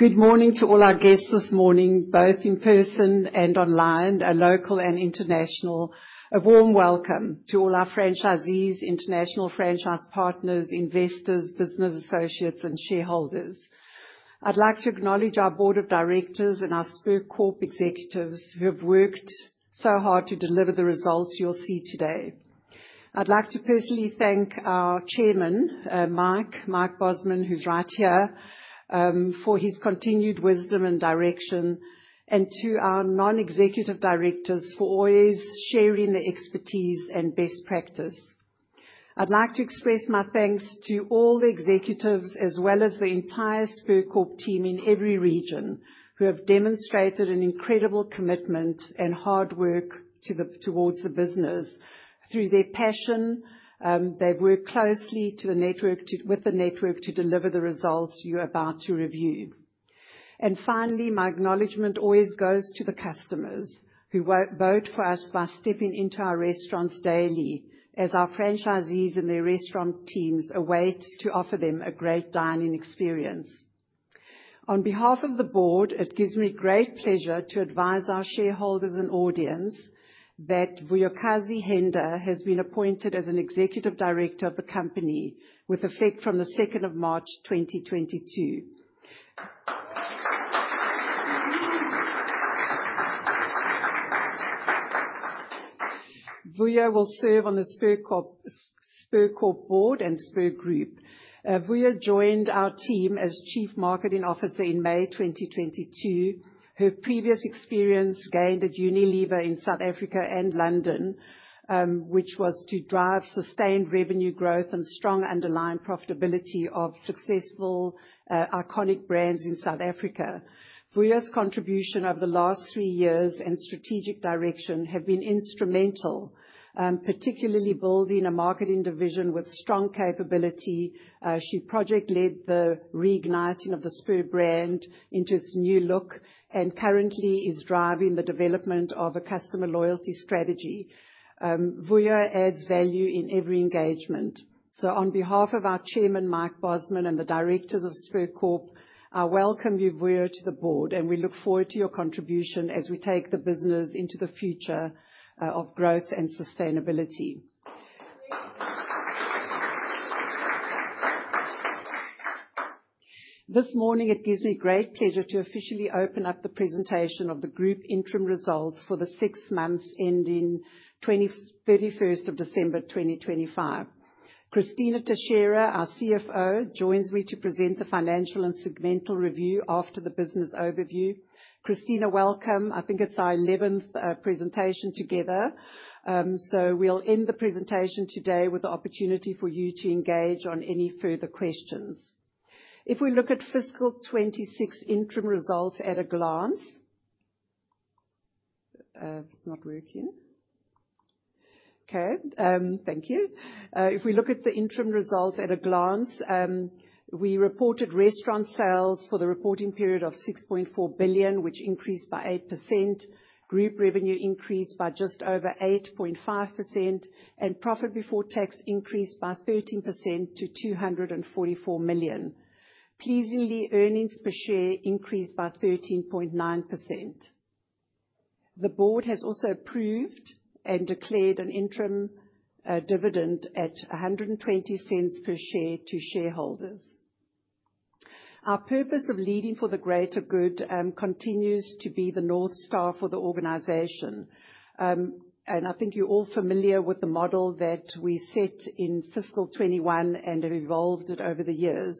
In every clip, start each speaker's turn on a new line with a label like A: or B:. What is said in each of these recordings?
A: Good morning to all our guests this morning, both in person and online, our local and international. A warm welcome to all our franchisees, international franchise partners, investors, business associates, and shareholders. I'd like to acknowledge our board of directors and our Spur Corp executives, who have worked so hard to deliver the results you'll see today. I'd like to personally thank our Chairman, Mike Bosman, who's right here, for his continued wisdom and direction, and to our non-executive directors for always sharing their expertise and best practice. I'd like to express my thanks to all the executives, as well as the entire Spur Corp team in every region, who have demonstrated an incredible commitment and hard work towards the business. Through their passion, they've worked closely with the network to deliver the results you're about to review. Finally, my acknowledgement always goes to the customers, who vote for us by stepping into our restaurants daily, as our franchisees and their restaurant teams await to offer them a great dining experience. On behalf of the board, it gives me great pleasure to advise our shareholders and audience that Vuyokazi Henda has been appointed as an executive director of the company, with effect from the 2nd of March, 2022. Vuya will serve on the Spur Corp Board and Spur Group. Vuya joined our team as chief marketing officer in May 2022. Her previous experience gained at Unilever in South Africa and London, which was to drive sustained revenue growth and strong underlying profitability of successful, iconic brands in South Africa. Vuya's contribution over the last three years and strategic direction have been instrumental, particularly building a marketing division with strong capability. She project led the reigniting of the Spur brand into its new look, and currently is driving the development of a customer loyalty strategy. Vuya adds value in every engagement. On behalf of our Chairman, Mike Bosman, and the directors of Spur Corp, I welcome you, Vuya, to the board, and we look forward to your contribution as we take the business into the future of growth and sustainability. This morning, it gives me great pleasure to officially open up the presentation of the group interim results for the six months ending 31st of December, 2025. Cristina Teixeira, our CFO, joins me to present the financial and segmental review after the business overview. Cristina, welcome. I think it's our eleventh presentation together. We'll end the presentation today with the opportunity for you to engage on any further questions. If we look at fiscal 2026 interim results at a glance. It's not working. Okay, thank you. If we look at the interim results at a glance, we reported restaurant sales for the reporting period of 6.4 billion, which increased by 8%. Group revenue increased by just over 8.5%, profit before tax increased by 13% to 244 million. Pleasingly, earnings per share increased by 13.9%. The board has also approved and declared an interim dividend at 1.20 per share to shareholders. Our purpose of leading for the greater good continues to be the North Star for the organization. I think you're all familiar with the model that we set in fiscal 2021 and have evolved it over the years.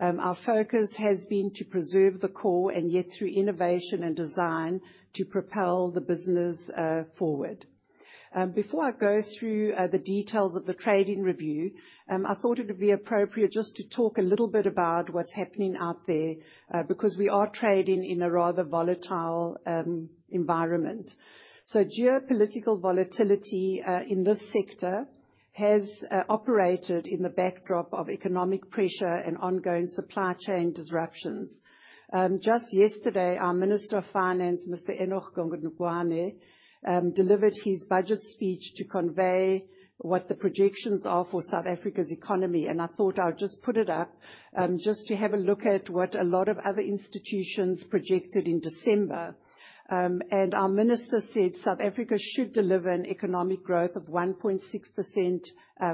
A: Our focus has been to preserve the core, and yet, through innovation and design, to propel the business forward. Before I go through the details of the trading review, I thought it would be appropriate just to talk a little bit about what's happening out there because we are trading in a rather volatile environment. Geopolitical volatility in this sector has operated in the backdrop of economic pressure and ongoing supply chain disruptions. Just yesterday, our Minister of Finance, Mr. Enoch Godongwana delivered his budget speech to convey what the projections are for South Africa's economy, and I thought I would just put it up just to have a look at what a lot of other institutions projected in December. Our Minister said South Africa should deliver an economic growth of 1.6%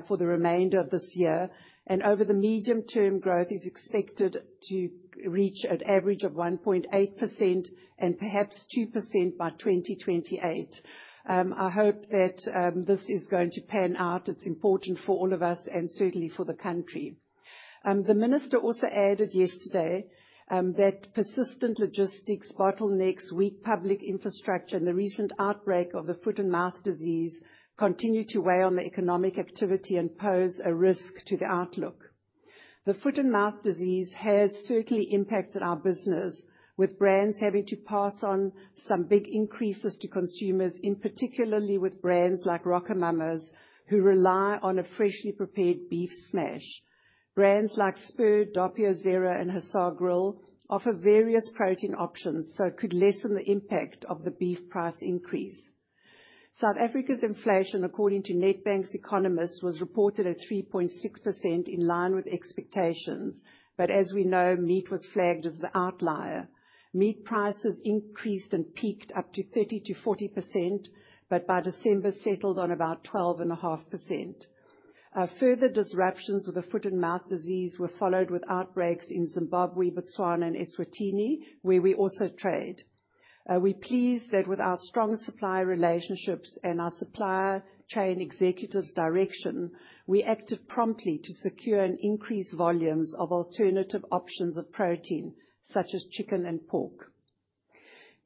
A: for the remainder of this year, and over the medium term, growth is expected to reach an average of 1.8% and perhaps 2% by 2028. I hope that this is going to pan out. It's important for all of us and certainly for the country. The Minister also added yesterday that persistent logistics bottlenecks, weak public infrastructure, and the recent outbreak of the foot-and-mouth disease continue to weigh on the economic activity and pose a risk to the outlook. The foot-and-mouth disease has certainly impacted our business, with brands having to pass on some big increases to consumers, in particularly with brands like RocoMamas, who rely on a freshly prepared beef smash. Brands like Spur, Doppio Zero, and Hussar Grill offer various protein options, so it could lessen the impact of the beef price increase. South Africa's inflation, according to Nedbank's economists, was reported at 3.6%, in line with expectations, but as we know, meat was flagged as the outlier. Meat prices increased and peaked up to 30%-40%, but by December, settled on about 12.5%. Further disruptions with the foot-and-mouth disease were followed with outbreaks in Zimbabwe, Botswana, and Eswatini, where we also trade. We're pleased that with our strong supplier relationships and our supplier chain executives' direction, we acted promptly to secure an increased volumes of alternative options of protein, such as chicken and pork.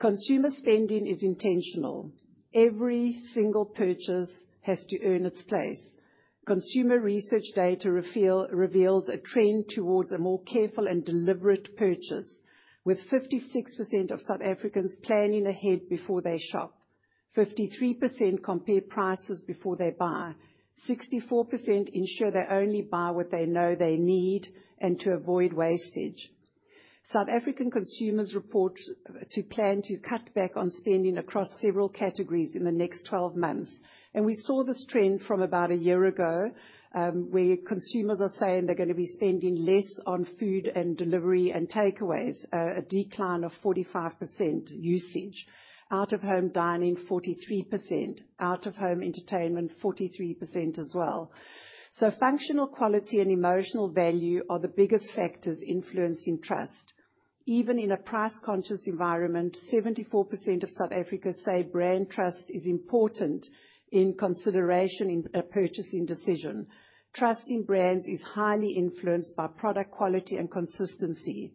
A: Consumer spending is intentional. Every single purchase has to earn its place. Consumer research data reveals a trend towards a more careful and deliberate purchase, with 56% of South Africans planning ahead before they shop. 53% compare prices before they buy. 64% ensure they only buy what they know they need and to avoid wastage. South African consumers report to plan to cut back on spending across several categories in the next 12 months, and we saw this trend from about a year ago, where consumers are saying they're gonna be spending less on food and delivery and takeaways, a decline of 45% usage. Out of home dining, 43%. Out of home entertainment, 43% as well. Functional quality and emotional value are the biggest factors influencing trust. Even in a price-conscious environment, 74% of South Africans say brand trust is important in consideration in a purchasing decision. Trust in brands is highly influenced by product quality and consistency,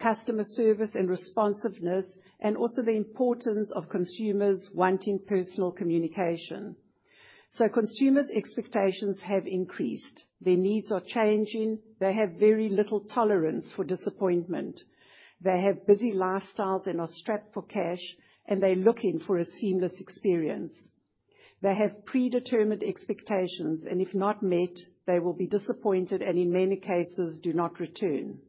A: customer service and responsiveness, and also the importance of consumers wanting personal communication. Consumers' expectations have increased. Their needs are changing. They have very little tolerance for disappointment. They have busy lifestyles and are strapped for cash, and they're looking for a seamless experience. They have predetermined expectations, and if not met, they will be disappointed and, in many cases, do not return.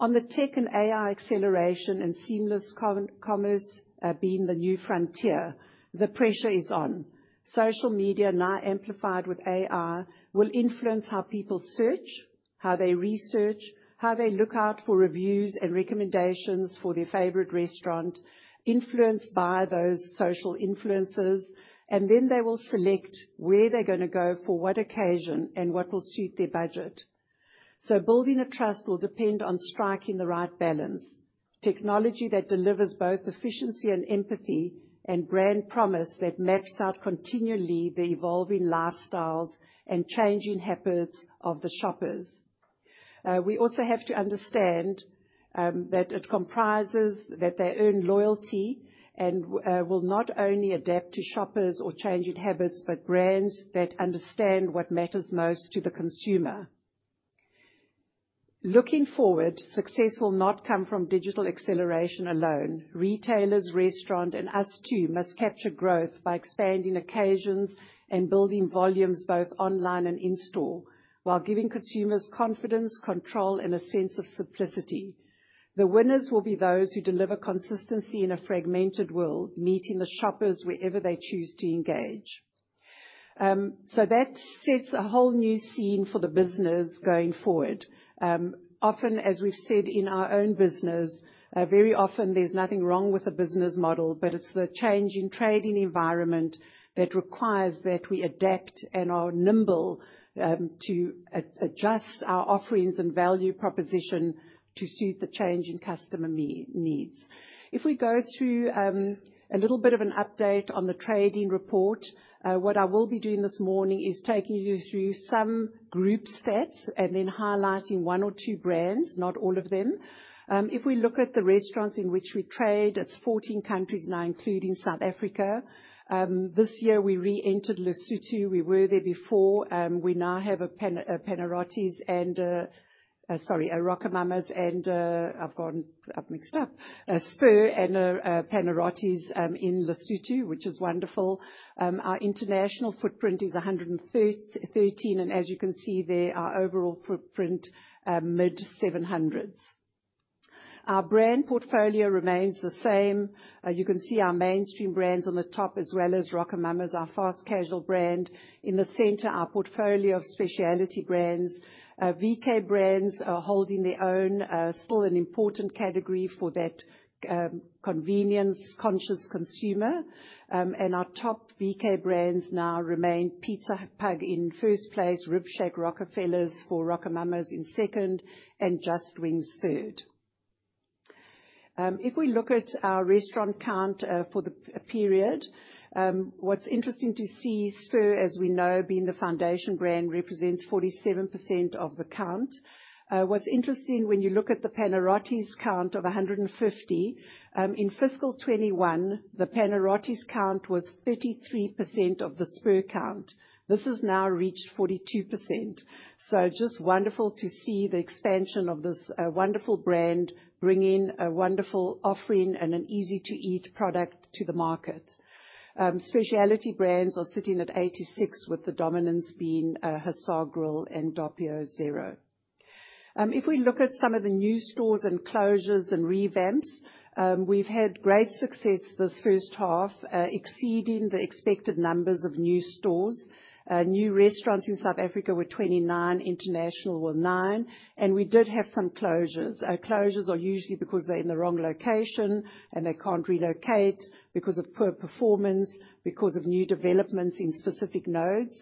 A: On the tech and AI acceleration and seamless commerce, being the new frontier, the pressure is on. Social media, now amplified with AI, will influence how people search, how they research, how they look out for reviews and recommendations for their favorite restaurant, influenced by those social influencers, and then they will select where they're gonna go, for what occasion, and what will suit their budget. Building a trust will depend on striking the right balance. Technology that delivers both efficiency and empathy and brand promise that maps out continually the evolving lifestyles and changing habits of the shoppers. We also have to understand that it comprises that they earn loyalty and will not only adapt to shoppers or changing habits, but brands that understand what matters most to the consumer. Looking forward, success will not come from digital acceleration alone. Retailers, restaurant, and us, too, must capture growth by expanding occasions and building volumes both online and in-store, while giving consumers confidence, control, and a sense of simplicity. The winners will be those who deliver consistency in a fragmented world, meeting the shoppers wherever they choose to engage. That sets a whole new scene for the business going forward. Often, as we've said in our own business, very often there's nothing wrong with the business model, but it's the change in trading environment that requires that we adapt and are nimble, to adjust our offerings and value proposition to suit the changing customer needs. If we go through a little bit of an update on the trading report, what I will be doing this morning is taking you through some group stats and then highlighting one or two brands, not all of them. If we look at the restaurants in which we trade, it's 14 countries now, including South Africa. This year we reentered Lesotho. We were there before. We now have a Panarottis and Sorry, a RocoMamas and I've gotten up mixed up. A Spur and a Panarottis in Lesotho, which is wonderful. Our international footprint is 113, and as you can see there, our overall footprint mid-700s. Our brand portfolio remains the same. You can see our mainstream brands on the top, as well as RocoMamas, our fast casual brand. In the center, our portfolio of specialty brands. VK brands are holding their own, still an important category for that convenience-conscious consumer. Our top VK brands now remain Pizza Pug in first place, Rib Shack RocoFellas for RocoMamas in second, and Just Wingz third. If we look at our restaurant count for the period, what's interesting to see, Spur, as we know, being the foundation brand, represents 47% of the count. What's interesting when you look at the Panarottis count of 150, in fiscal 2021, the Panarottis count was 33% of the Spur count. This has now reached 42%. Just wonderful to see the expansion of this wonderful brand bringing a wonderful offering and an easy-to-eat product to the market. Specialty brands are sitting at 86, with the dominance being The Hussar Grill and Doppio Zero. If we look at some of the new stores and closures and revamps, we've had great success this first half, exceeding the expected numbers of new stores. New restaurants in South Africa were 29, international were nine. We did have some closures. Our closures are usually because they're in the wrong location, they can't relocate because of poor performance, because of new developments in specific nodes.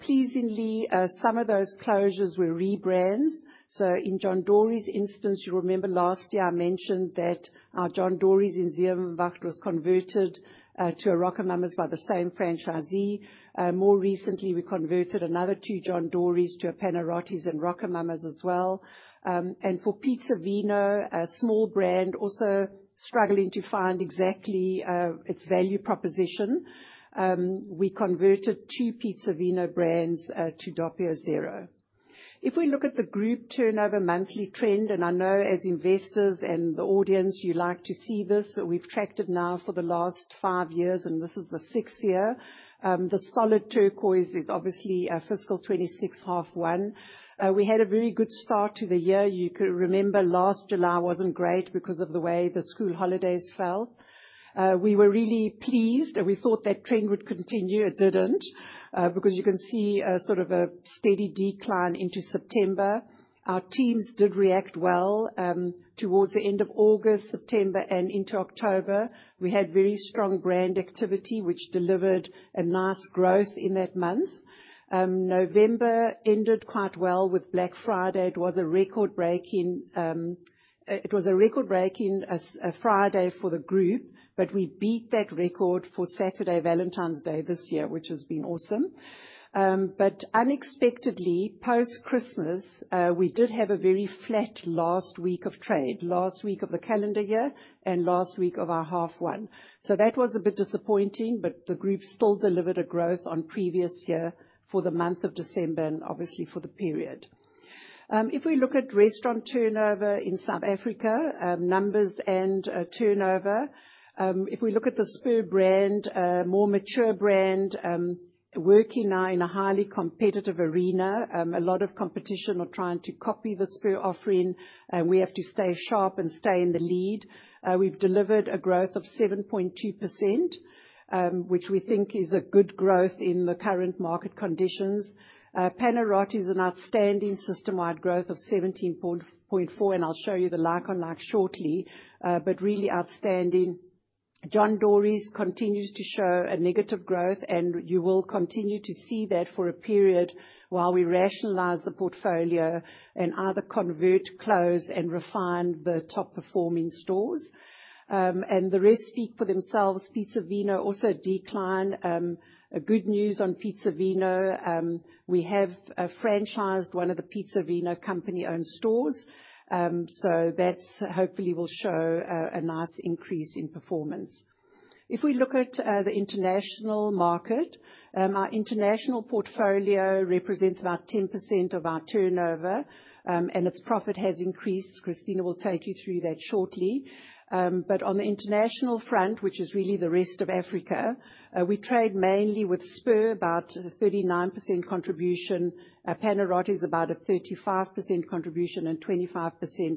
A: Pleasingly, some of those closures were rebrands. In John Dory's instance, you remember last year I mentioned that our John Dory's in Zeerust was converted to a RocoMamas by the same franchisee. More recently, we converted another two John Dory's to a Panarottis and RocoMamas as well. For Piza ē Vino, a small brand also struggling to find exactly its value proposition, we converted two Piza ē Vino brands to Doppio Zero. If we look at the group turnover monthly trend, and I know as investors and the audience, you like to see this, we've tracked it now for the last five years, and this is the sixth year. The solid turquoise is obviously our fiscal 2026, half one. We had a very good start to the year. You could remember last July wasn't great because of the way the school holidays fell. We were really pleased, and we thought that trend would continue. It didn't, because you can see a sort of a steady decline into September. Our teams did react well, towards the end of August, September, and into October. We had very strong brand activity, which delivered a nice growth in that month. November ended quite well with Black Friday. It was a record-breaking Friday for the group, we beat that record for Saturday, Valentine's Day, this year, which has been awesome. Unexpectedly, post-Christmas, we did have a very flat last week of trade, last week of the calendar year and last week of our half one. That was a bit disappointing, the group still delivered a growth on previous year for the month of December, and obviously for the period. If we look at restaurant turnover in South Africa, numbers and turnover, if we look at the Spur brand, a more mature brand, working now in a highly competitive arena, a lot of competition are trying to copy the Spur offering, and we have to stay sharp and stay in the lead. We've delivered a growth of 7.2%, which we think is a good growth in the current market conditions. Panarottis an outstanding system-wide growth of 17.4%, and I'll show you the like-for-like shortly, but really outstanding. John Dory's continues to show a negative growth, and you will continue to see that for a period while we rationalize the portfolio and either convert, close, and refine the top-performing stores. The rest speak for themselves. Piza ē Vino also declined. Good news on Piza ē Vino, we have franchised one of the Piza ē Vino company-owned stores, so that hopefully will show a nice increase in performance. If we look at the international market, our international portfolio represents about 10% of our turnover, and its profit has increased. Cristina will take you through that shortly. On the international front, which is really the rest of Africa, we trade mainly with Spur, about 39% contribution. Panarottis is about a 35% contribution, and 25%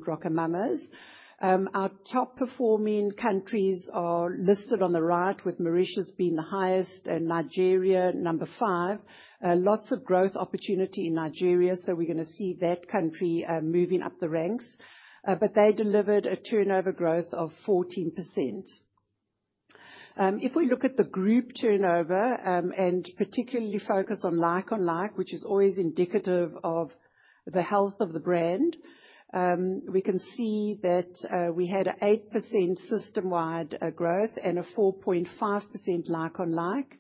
A: RocoMamas. Our top-performing countries are listed on the right, with Mauritius being the highest and Nigeria number 5. Lots of growth opportunity in Nigeria, so we're gonna see that country moving up the ranks. They delivered a turnover growth of 14%. If we look at the group turnover, particularly focus on like-for-like, which is always indicative of the health of the brand, we can see that we had a 8% system-wide growth and a 4.5% like-for-like.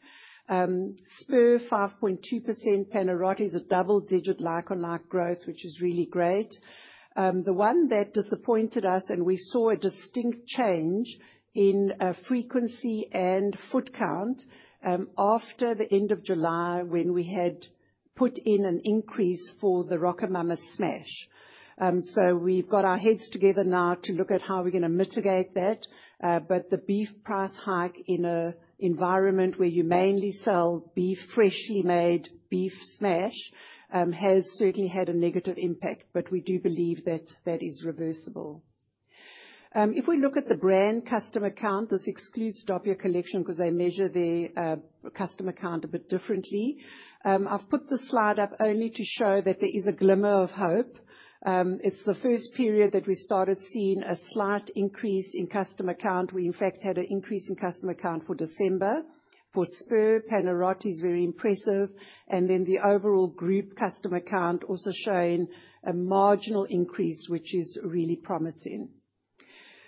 A: Spur 5.2%. Panarottis a double-digit like-for-like growth, which is really great. The one that disappointed us, and we saw a distinct change in frequency and foot count after the end of July, when we had put in an increase for the RocoMamas Smash. We've got our heads together now to look at how we're gonna mitigate that, the beef price hike in an environment where you mainly sell beef, freshly made beef smash, has certainly had a negative impact, but we do believe that that is reversible. If we look at the brand customer count, this excludes Doppio Collection, because they measure their customer count a bit differently. I've put this slide up only to show that there is a glimmer of hope. It's the first period that we started seeing a slight increase in customer count. We, in fact, had an increase in customer count for December. For Spur, Panarottis very impressive, the overall group customer count also showing a marginal increase, which is really promising.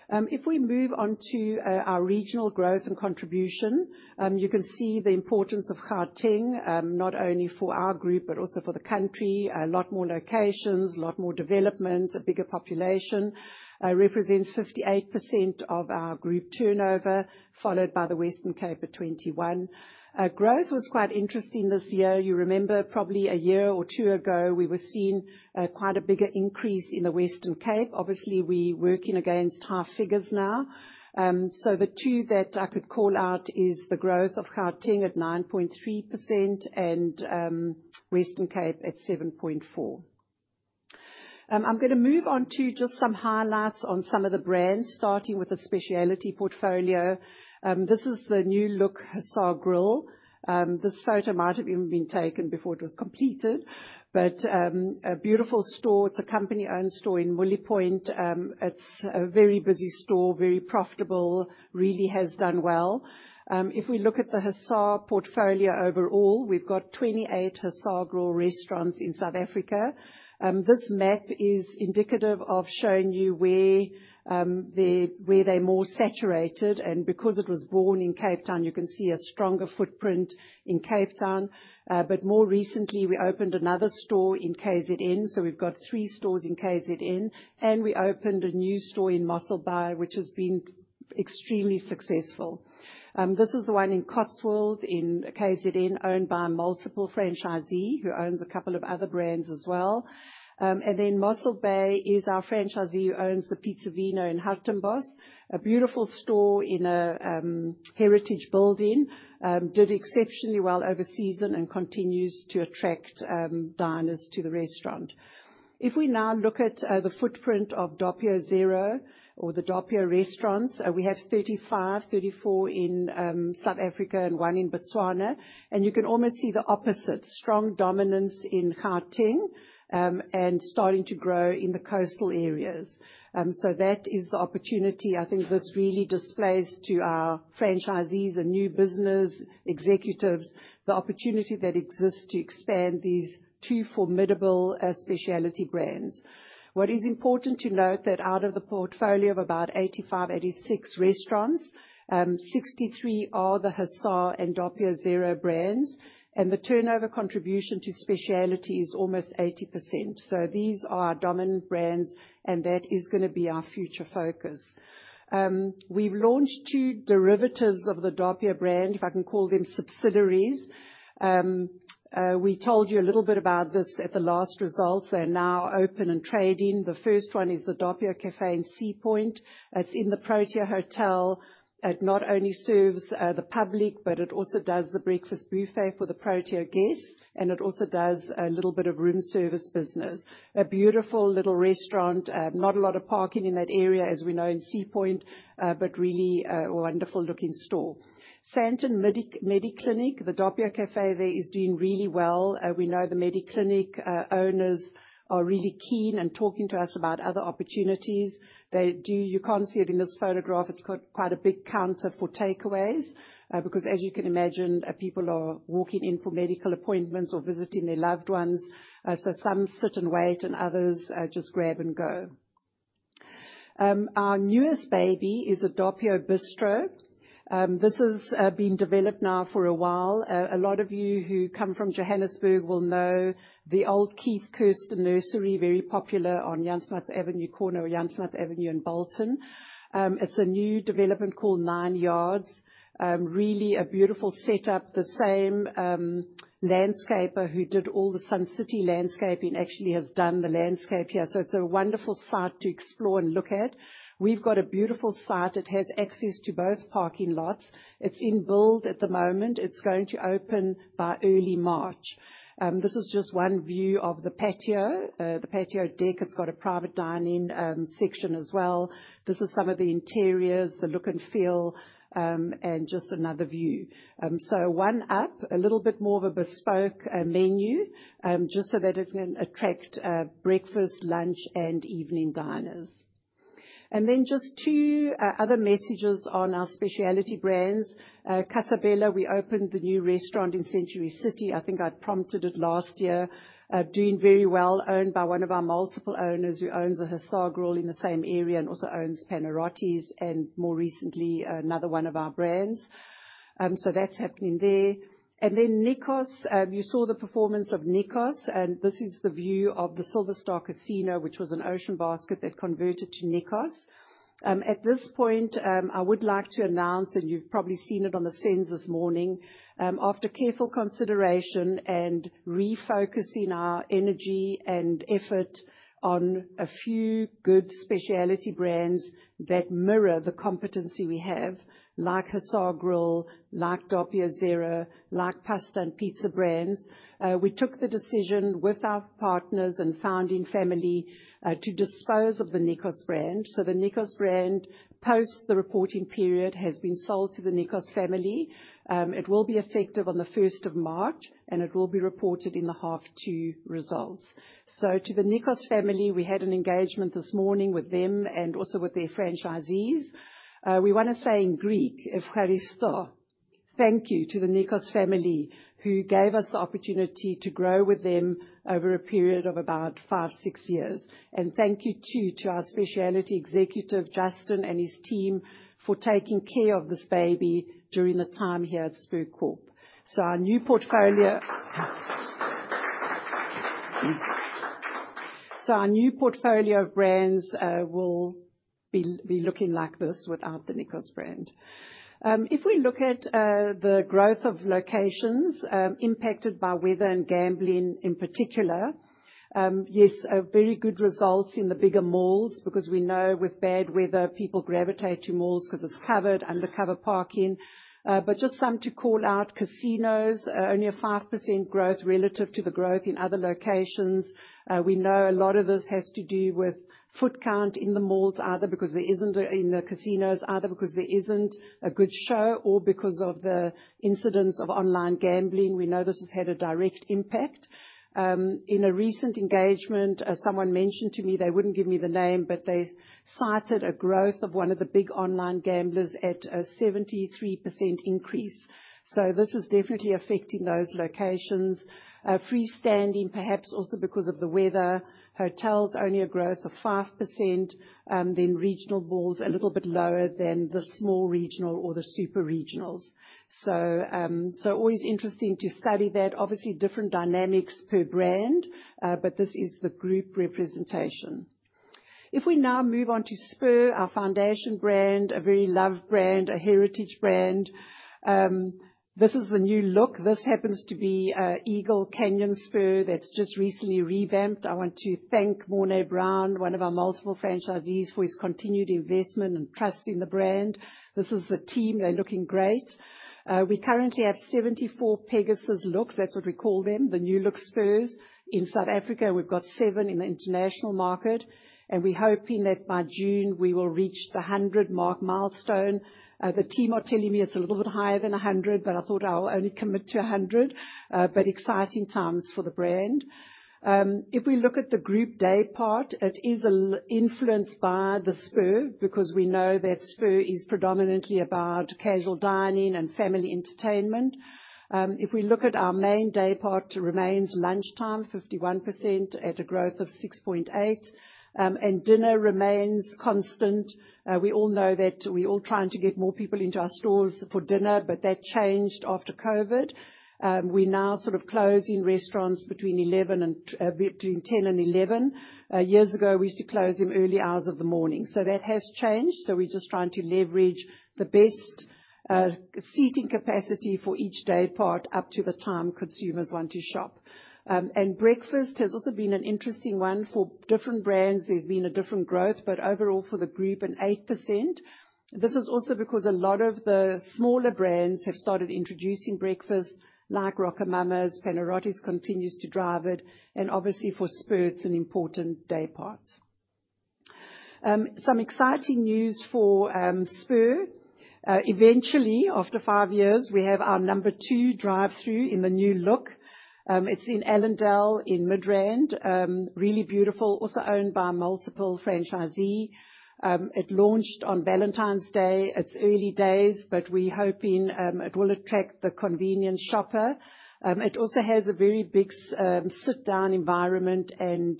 A: If we move on to our regional growth and contribution, you can see the importance of Gauteng, not only for our group but also for the country. A lot more locations, a lot more development, a bigger population, represents 58% of our group turnover, followed by the Western Cape at 21. Growth was quite interesting this year. You remember probably a year or two ago, we were seeing quite a bigger increase in the Western Cape. Obviously, we working against high figures now. The two that I could call out is the growth of Gauteng at 9.3% and Western Cape at 7.4%. I'm gonna move on to just some highlights on some of the brands, starting with the specialty portfolio. This is the new look Hussar Grill. This photo might have even been taken before it was completed, but a beautiful store. It's a company-owned store in Mouille Point. It's a very busy store, very profitable, really has done well. If we look at the Hussar portfolio overall, we've got 28 Hussar Grill restaurants in South Africa. This map is indicative of showing you where they're more saturated. Because it was born in Cape Town, you can see a stronger footprint in Cape Town. More recently, we opened another store in KZN, so we've got three stores in KZN. We opened a new store in Mossel Bay, which has been extremely successful. This is the one in Cotswold, in KZN, owned by a multiple franchisee who owns a couple of other brands as well. Mossel Bay is our franchisee who Piza ē Vino in Hartenbos, a beautiful store in a heritage building. Did exceptionally well over season and continues to attract diners to the restaurant. If we now look at the footprint of Doppio Zero or the Doppio restaurants, we have 35, 34 in South Africa and one in Botswana. You can almost see the opposite. Strong dominance in Gauteng, and starting to grow in the coastal areas. That is the opportunity. I think this really displays to our franchisees and new business executives the opportunity that exists to expand these two formidable speciality brands. What is important to note, that out of the portfolio of about 85, 86 restaurants, 63 are the Hussar and Doppio Zero brands, and the turnover contribution to speciality is almost 80%. These are our dominant brands, and that is gonna be our future focus. We've launched two derivatives of the Doppio brand, if I can call them subsidiaries. We told you a little bit about this at the last results. They're now open and trading. The first one is the Doppio Caffè in Sea Point. It's in the Protea Hotel. It not only serves the public, but it also does the breakfast buffet for the Protea guests, and it also does a little bit of room service business. A beautiful little restaurant. Not a lot of parking in that area, as we know, in Sea Point, but really a wonderful-looking store. Sandton Mediclinic, the Doppio Caffè there is doing really well. We know the Mediclinic owners are really keen and talking to us about other opportunities. You can't see it in this photograph, it's got quite a big counter for takeaways, because as you can imagine, people are walking in for medical appointments or visiting their loved ones. Some sit and wait, and others just grab and go. Our newest baby is a Doppio Bistrot. This has been developed now for a while. A lot of you who come from Johannesburg will know the old Keith Kirsten Nursery, very popular on Jan Smuts Avenue, corner of Jan Smuts Avenue and Bolton. It's a new development called Nine Yards. Really a beautiful setup. The same landscaper who did all the Sun City landscaping actually has done the landscape here, it's a wonderful site to explore and look at. We've got a beautiful site. It has access to both parking lots. It's in build at the moment. It's going to open by early March. This is just one view of the patio. The patio deck has got a private dining section as well. This is some of the interiors, the look and feel, and just another view. One up, a little bit more of a bespoke menu, just so that it can attract breakfast, lunch, and evening diners. Just two other messages on our speciality brands. Casa Bella, we opened the new restaurant in Century City. I think I'd prompted it last year. Doing very well, owned by one of our multiple owners, who owns a Hussar Grill in the same area and also owns Panarottis and, more recently, another one of our brands. That's happening there. Nikos, you saw the performance of Nikos, and this is the view of the Silverstar Casino, which was an Ocean Basket that converted to Nikos. At this point, I would like to announce, and you've probably seen it on the scenes this morning, after careful consideration and refocusing our energy and effort on a few good specialty brands that mirror the competency we have, like The Hussar Grill, like Doppio Zero, like pasta and pizza brands, we took the decision, with our partners and founding family, to dispose of the Nikos brand. The Nikos brand, post the reporting period, has been sold to the Nikos family. It will be effective on the first of March, and it will be reported in the half two results. To the Nikos family, we had an engagement this morning with them and also with their franchisees. We want to say in Greek, efcharistó, thank you to the Nikos family, who gave us the opportunity to grow with them over a period of about five, six years. Thank you, too, to our speciality executive, Justin, and his team for taking care of this baby during the time here at Spur Corp. Our new portfolio of brands will be looking like this without the Nikos brand. If we look at the growth of locations impacted by weather and gambling in particular, yes, a very good results in the bigger malls, because we know with bad weather, people gravitate to malls because it's covered, undercover parking. Just some to call out, casinos, only a 5% growth relative to the growth in other locations. We know a lot of this has to do with foot count in the malls, either because there isn't, in the casinos, either because there isn't a good show or because of the incidents of online gambling. We know this has had a direct impact. In a recent engagement, as someone mentioned to me, they wouldn't give me the name, but they cited a growth of one of the big online gamblers at a 73% increase. This is definitely affecting those locations. Freestanding, perhaps also because of the weather. Hotels, only a growth of 5%, regional malls, a little bit lower than the small regional or the super regionals. Always interesting to study that. Obviously, different dynamics per brand, this is the group representation. If we now move on to Spur, our foundation brand, a very loved brand, a heritage brand. This is the new look. This happens to be an Eagle Canyon Spur that's just recently revamped. I want to thank Mornay Brown, one of our multiple franchisees, for his continued investment and trust in the brand. This is the team. They're looking great. We currently have 74 Pegasus looks. That's what we call them, the new look Spurs. In South Africa, we've got seven in the international market, we're hoping that by June, we will reach the 100 mark milestone. The team are telling me it's a little bit higher than 100, I thought I'll only commit to 100. Exciting times for the brand. If we look at the group day part, it is influenced by the Spur, because we know that Spur is predominantly about casual dining and family entertainment. If we look at our main day part, remains lunchtime, 51% at a growth of 6.8%, and dinner remains constant. We all know that we're all trying to get more people into our stores for dinner, but that changed after COVID. We now sort of closing restaurants between 11 and between 10 and 11. Years ago, we used to close in early hours of the morning, so that has changed. We're just trying to leverage the best seating capacity for each day part up to the time consumers want to shop. Breakfast has also been an interesting one. For different brands, there's been a different growth, overall for the group, an 8%. This is also because a lot of the smaller brands have started introducing breakfast, like RocoMamas. Panarottis continues to drive it, obviously for Spur, it's an important day part. Some exciting news for Spur. Eventually, after five years, we have our number two drive-through in the new look. It's in Allandale, in Midrand. Really beautiful, also owned by a multiple franchisee. It launched on Valentine's Day. It's early days, we're hoping it will attract the convenience shopper. It also has a very big sit-down environment and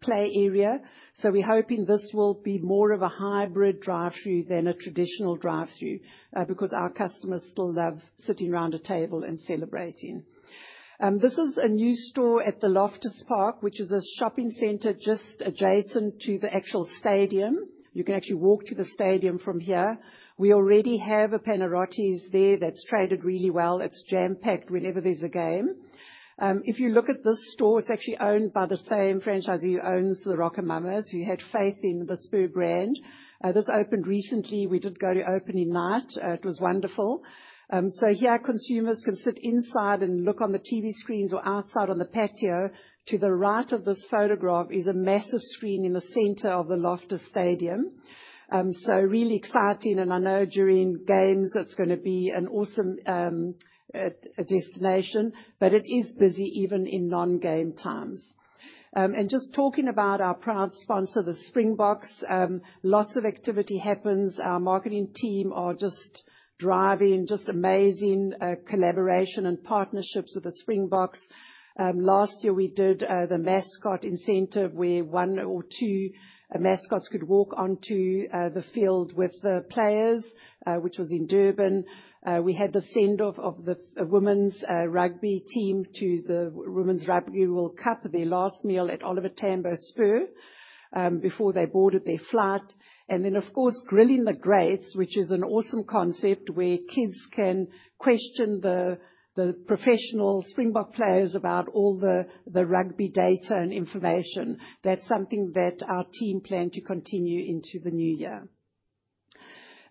A: play area. We're hoping this will be more of a hybrid drive-through than a traditional drive-through, because our customers still love sitting around a table and celebrating. This is a new store at the Loftus Park, which is a shopping center just adjacent to the actual stadium. You can actually walk to the stadium from here. We already have a Panarottis there that's traded really well. It's jam-packed whenever there's a game. If you look at this store, it's actually owned by the same franchisee who owns the RocoMamas, who had faith in the Spur brand. This opened recently. We did go to opening night. It was wonderful. Here, consumers can sit inside and look on the TV screens or outside on the patio. To the right of this photograph is a massive screen in the center of the Loftus Stadium. Really exciting, and I know during games, it's gonna be an awesome destination, but it is busy even in non-game times. Just talking about our proud sponsor, the Springboks, lots of activity happens. Our marketing team are just driving just amazing collaboration and partnerships with the Springboks. Last year, we did the mascot incentive, where one or two mascots could walk onto the field with the players, which was in Durban. We had the send-off of the women's rugby team to the Women's Rugby World Cup, their last meal at Oliver Tambo Spur, before they boarded their flight. Of course, Grilling the Greats, which is an awesome concept where kids can question the professional Springbok players about all the rugby data and information. That's something that our team plan to continue into the new year.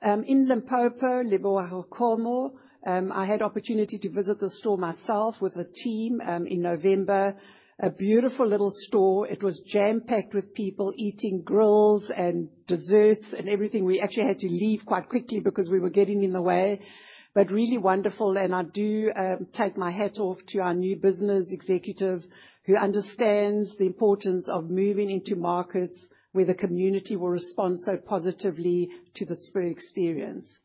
A: In Limpopo, Lebowakgomo, I had opportunity to visit the store myself with the team in November. A beautiful little store. It was jam-packed with people eating grills and desserts and everything. We actually had to leave quite quickly because we were getting in the way. Really wonderful, and I do take my hat off to our new business executive, who understands the importance of moving into markets where the community will respond so positively to the Spur experience.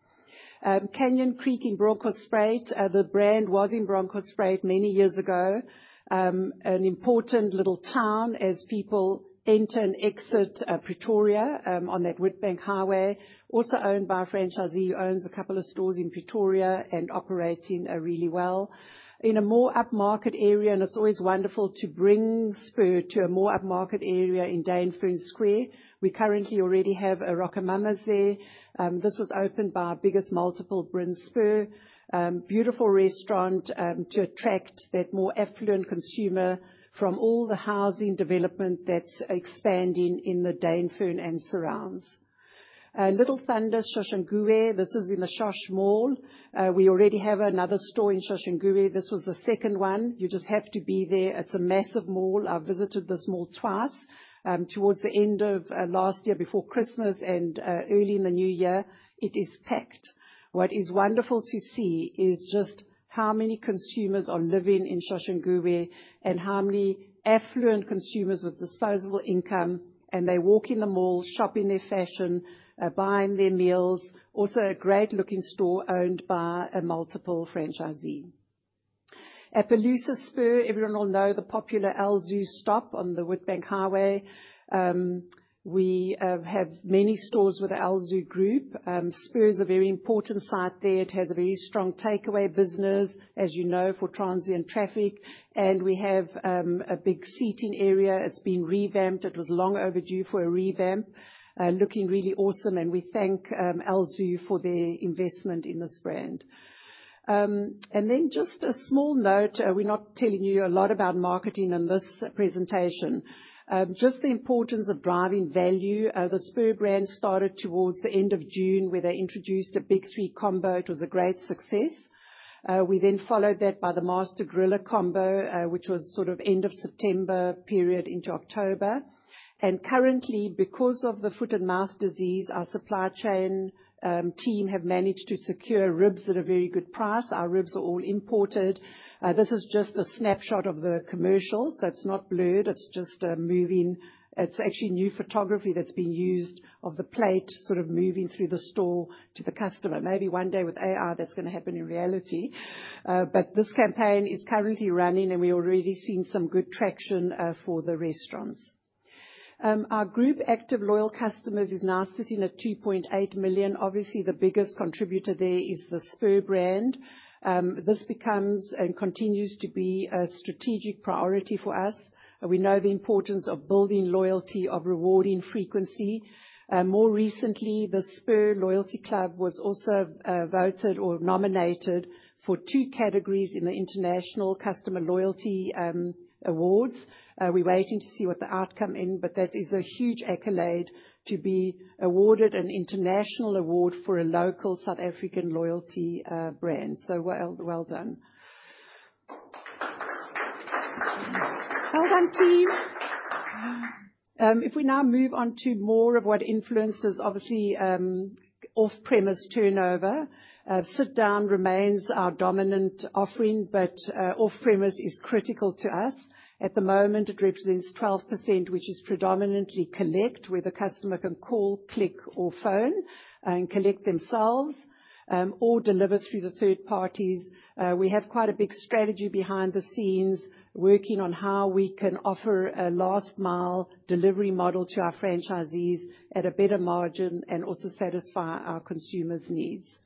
A: Canyon Creek in Bronkhorstspruit, the brand was in Bronkhorstspruit many years ago. An important little town as people enter and exit Pretoria on that Witbank highway. Also owned by a franchisee who owns a couple of stores in Pretoria and operating really well. In a more upmarket area, and it's always wonderful to bring Spur to a more upmarket area in Dainfern Square. We currently already have a RocoMamas there. This was opened by our biggest multiple brand, Spur. Beautiful restaurant, to attract that more affluent consumer from all the housing development that's expanding in the Dainfern and surrounds. Little Thunder, Soshanguve, this is in the Sosh Mall. We already have another store in Soshanguve. This was the second one. You just have to be there. It's a massive mall. I've visited this mall twice, towards the end of last year, before Christmas and early in the new year. It is packed. What is wonderful to see is just how many consumers are living in Soshanguve, and how many affluent consumers with disposable income, and they walk in the mall, shopping their fashion, buying their meals. Also, a great-looking store owned by a multiple franchisee. At Appaloosa Spur, everyone will know the popular Alzu stop on the N4 highway. We have many stores with the Alzu group. Spur is a very important site there. It has a very strong takeaway business, as you know, for transient traffic, and we have a big seating area. It's been revamped. It was long overdue for a revamp. Looking really awesome, and we thank Alzu for their investment in this brand. Just a small note, we're not telling you a lot about marketing in this presentation. Just the importance of driving value. The Spur brand started towards the end of June, where they introduced a big 3 combo. It was a great success. We then followed that by the Master Griller combo, which was sort of end of September period into October. Currently, because of the foot-and-mouth disease, our supply chain team have managed to secure ribs at a very good price. Our ribs are all imported. This is just a snapshot of the commercial, so it's not blurred. It's actually new photography that's being used of the plate, sort of moving through the store to the customer. Maybe one day with AI, that's gonna happen in reality. This campaign is currently running, and we're already seeing some good traction for the restaurants. Our group active loyal customers is now sitting at 2.8 million. Obviously, the biggest contributor there is the Spur brand. This becomes and continues to be a strategic priority for us. We know the importance of building loyalty, of rewarding frequency. More recently, the Spur Loyalty Club was also voted or nominated for 2 categories in the International Customer Loyalty Awards. We're waiting to see what the outcome in, that is a huge accolade to be awarded an international award for a local South African loyalty brand. Well done. Well done, team. If we now move on to more of what influences, obviously, off-premise turnover. Sit-down remains our dominant offering, off-premise is critical to us. At the moment, it represents 12%, which is predominantly collect, where the customer can call, click, or phone and collect themselves, or deliver through the third parties. We have quite a big strategy behind the scenes, working on how we can offer a last-mile delivery model to our franchisees at a better margin and also satisfy our consumers' needs.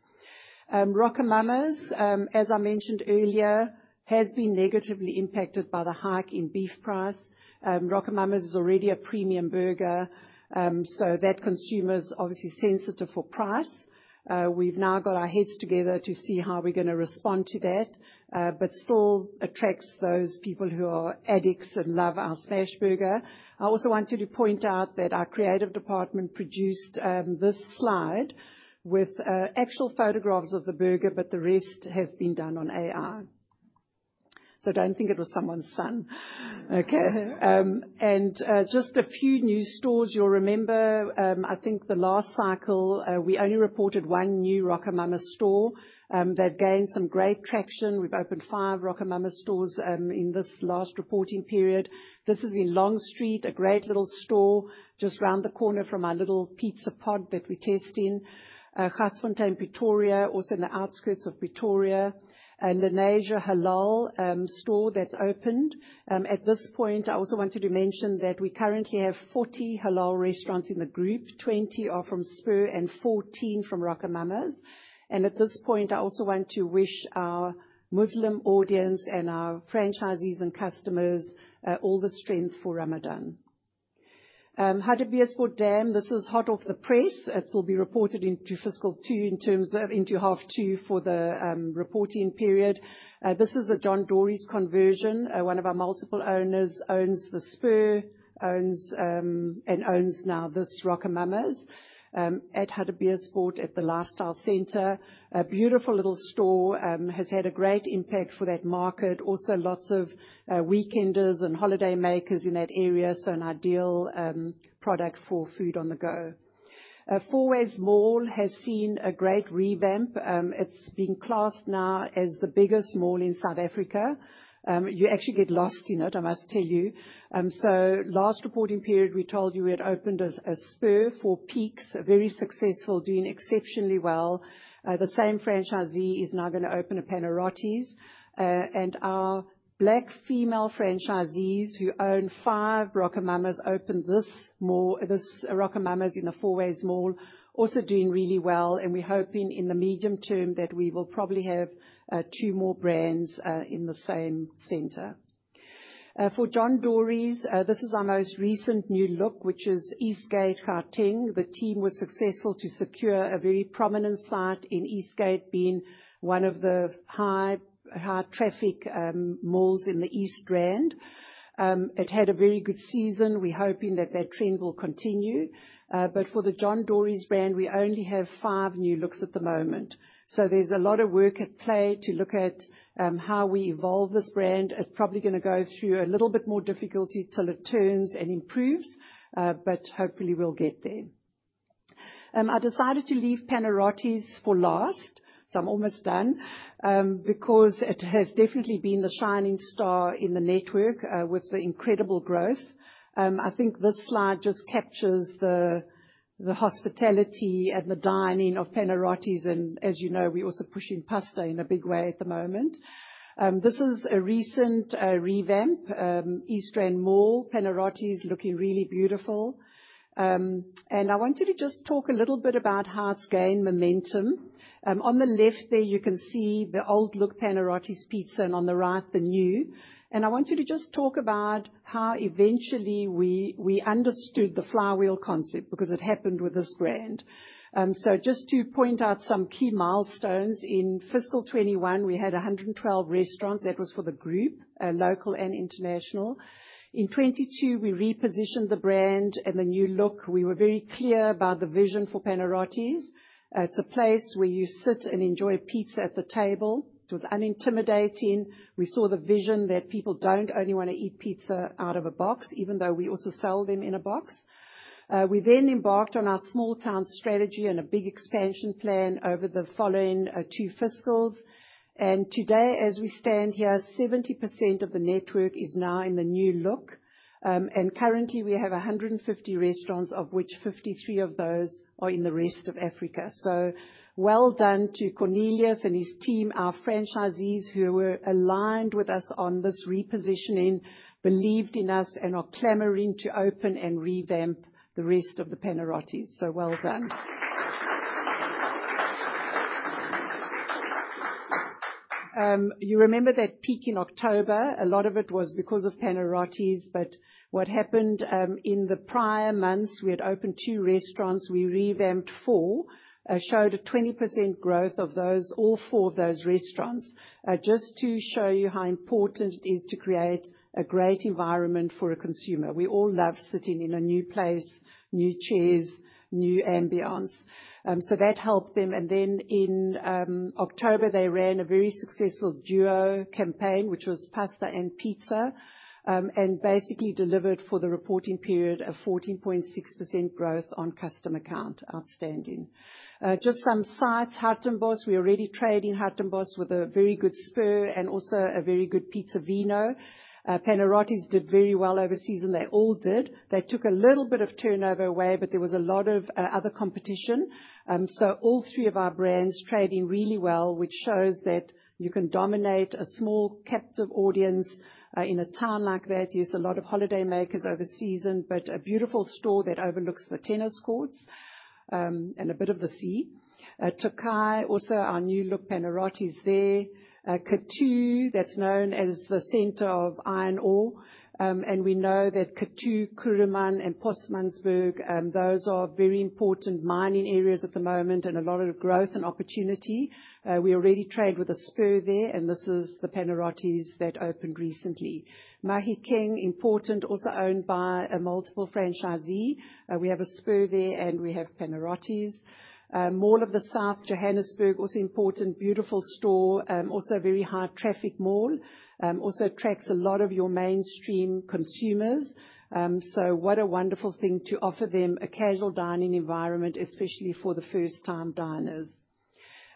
A: RocoMamas, as I mentioned earlier, has been negatively impacted by the hike in beef price. RocoMamas is already a premium burger, so that consumer is obviously sensitive for price. We've now got our heads together to see how we're gonna respond to that, but still attracts those people who are addicts and love our Smash burger. I also wanted to point out that our creative department produced this slide with actual photographs of the burger, but the rest has been done on AI. So don't think it was someone's son. Okay, just a few new stores you'll remember. I think the last cycle, we only reported one new RocoMamas store. They've gained some great traction. We've opened five RocoMamas stores in this last reporting period. This is in Long Street, a great little store just around the corner from our little pizza pod that we're testing. Garsfontein, Pretoria, also in the outskirts of Pretoria, Lenasia halal store that's opened. At this point, I also wanted to mention that we currently have 40 halal restaurants in the group. 20 are from Spur and 14 from RocoMamas. At this point, I also want to wish our Muslim audience and our franchisees and customers all the strength for Ramadan. Hartbeespoort Dam, this is hot off the press. It will be reported into fiscal two into half two for the reporting period. This is a John Dory's conversion. One of our multiple owners owns the Spur, owns now this RocoMamas at Hartbeespoort Dam, at the Lifestyle Centre. A beautiful little store has had a great impact for that market. Lots of weekenders and holidaymakers in that area, so an ideal product for food on the go. Fourways Mall has seen a great revamp. It's being classed now as the biggest mall in South Africa. You actually get lost in it, I must tell you. Last reporting period, we told you we had opened a Spur for Peaks, very successful, doing exceptionally well. The same franchisee is now gonna open a Panarottis. Our Black female franchisees, who own five RocoMamas, opened this RocoMamas in the Fourways Mall, also doing really well, and we're hoping in the medium term that we will probably have two more brands in the same center. For John Dory's, this is our most recent new look, which is Eastgate, Gauteng. The team was successful to secure a very prominent site in Eastgate, being one of the high traffic malls in the East Rand. It had a very good season. We're hoping that that trend will continue. For the John Dory's brand, we only have five new looks at the moment, so there's a lot of work at play to look at, how we evolve this brand. It's probably gonna go through a little bit more difficulty till it turns and improves, but hopefully, we'll get there. I decided to leave Panarottis for last, so I'm almost done, because it has definitely been the shining star in the network, with the incredible growth. I think this slide just captures the hospitality and the dining of Panarottis, and as you know, we're also pushing pasta in a big way at the moment. This is a recent revamp, East Rand Mall, Panarottis looking really beautiful. I wanted to just talk a little bit about how it's gained momentum. On the left there, you can see the old look, Panarottis Pizza, and on the right, the new. I wanted to just talk about how eventually we understood the flywheel concept, because it happened with this brand. Just to point out some key milestones, in fiscal 2021, we had 112 restaurants. That was for the group, local and international. In 2022, we repositioned the brand and the new look. We were very clear about the vision for Panarottis. It's a place where you sit and enjoy pizza at the table. It was unintimidating. We saw the vision that people don't only want to eat pizza out of a box, even though we also sell them in a box. We embarked on our small town strategy and a big expansion plan over the following two fiscals. Today, as we stand here, 70% of the network is now in the new look, currently, we have 150 restaurants, of which 53 of those are in the rest of Africa. Well done to Cornelius and his team, our franchisees, who were aligned with us on this repositioning, believed in us, and are clamoring to open and revamp the rest of the Panarottis. Well done. You remember that peak in October, a lot of it was because of Panarottis. What happened in the prior months, we had opened two restaurants, we revamped four, showed a 20% growth of those, all four of those restaurants. Just to show you how important it is to create a great environment for a consumer. We all love sitting in a new place, new chairs, new ambiance. That helped them, and then in October, they ran a very successful duo campaign, which was pasta and pizza, basically delivered for the reporting period, a 14.6% growth on customer count. Outstanding. Just some sites, Hartenbos. We already trade in Hartenbos with a very good Spur and also a very Piza ē Vino. panarottis did very well over season. They all did. They took a little bit of turnover away, but there was a lot of other competition. All three of our brands trading really well, which shows that you can dominate a small, captive audience in a town like that. There's a lot of holidaymakers over season, but a beautiful store that overlooks the tennis courts and a bit of the sea. Tokai, also our new look, Panarottis there. Kathu, that's known as the center of iron ore. We know that Kathu, Kuruman, and Postmasburg, those are very important mining areas at the moment and a lot of growth and opportunity. We already trade with a Spur there, and this is the Panarottis that opened recently. Mahikeng, important, also owned by a multiple franchisee. We have a Spur there, and we have Panarottis. Mall of the South, Johannesburg, also important, beautiful store, also a very high traffic mall. Also attracts a lot of your mainstream consumers, what a wonderful thing to offer them a casual dining environment, especially for the first-time diners.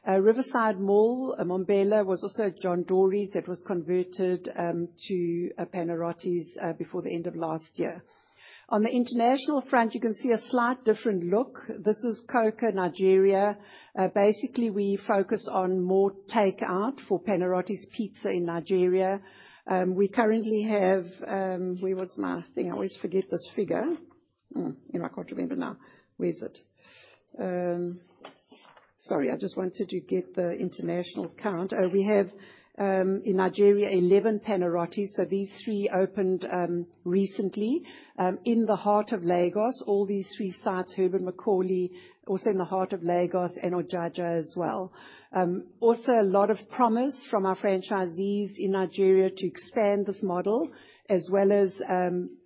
A: Riverside Mall, Mbombela, was also a John Dory's that was converted to a Panarottis before the end of last year. On the international front, you can see a slight different look. This is Coca, Nigeria. Basically, we focus on more takeout for Panarottis Pizza in Nigeria. We currently have. Where was my thing? I always forget this figure. I can't remember now. Where is it? Sorry, I just wanted to get the international count. We have, in Nigeria, 11 Panarottis, these three opened recently in the heart of Lagos. All these three sites, Herbert Macaulay, also in the heart of Lagos, and Ojaja as well. Also a lot of promise from our franchisees in Nigeria to expand this model, as well as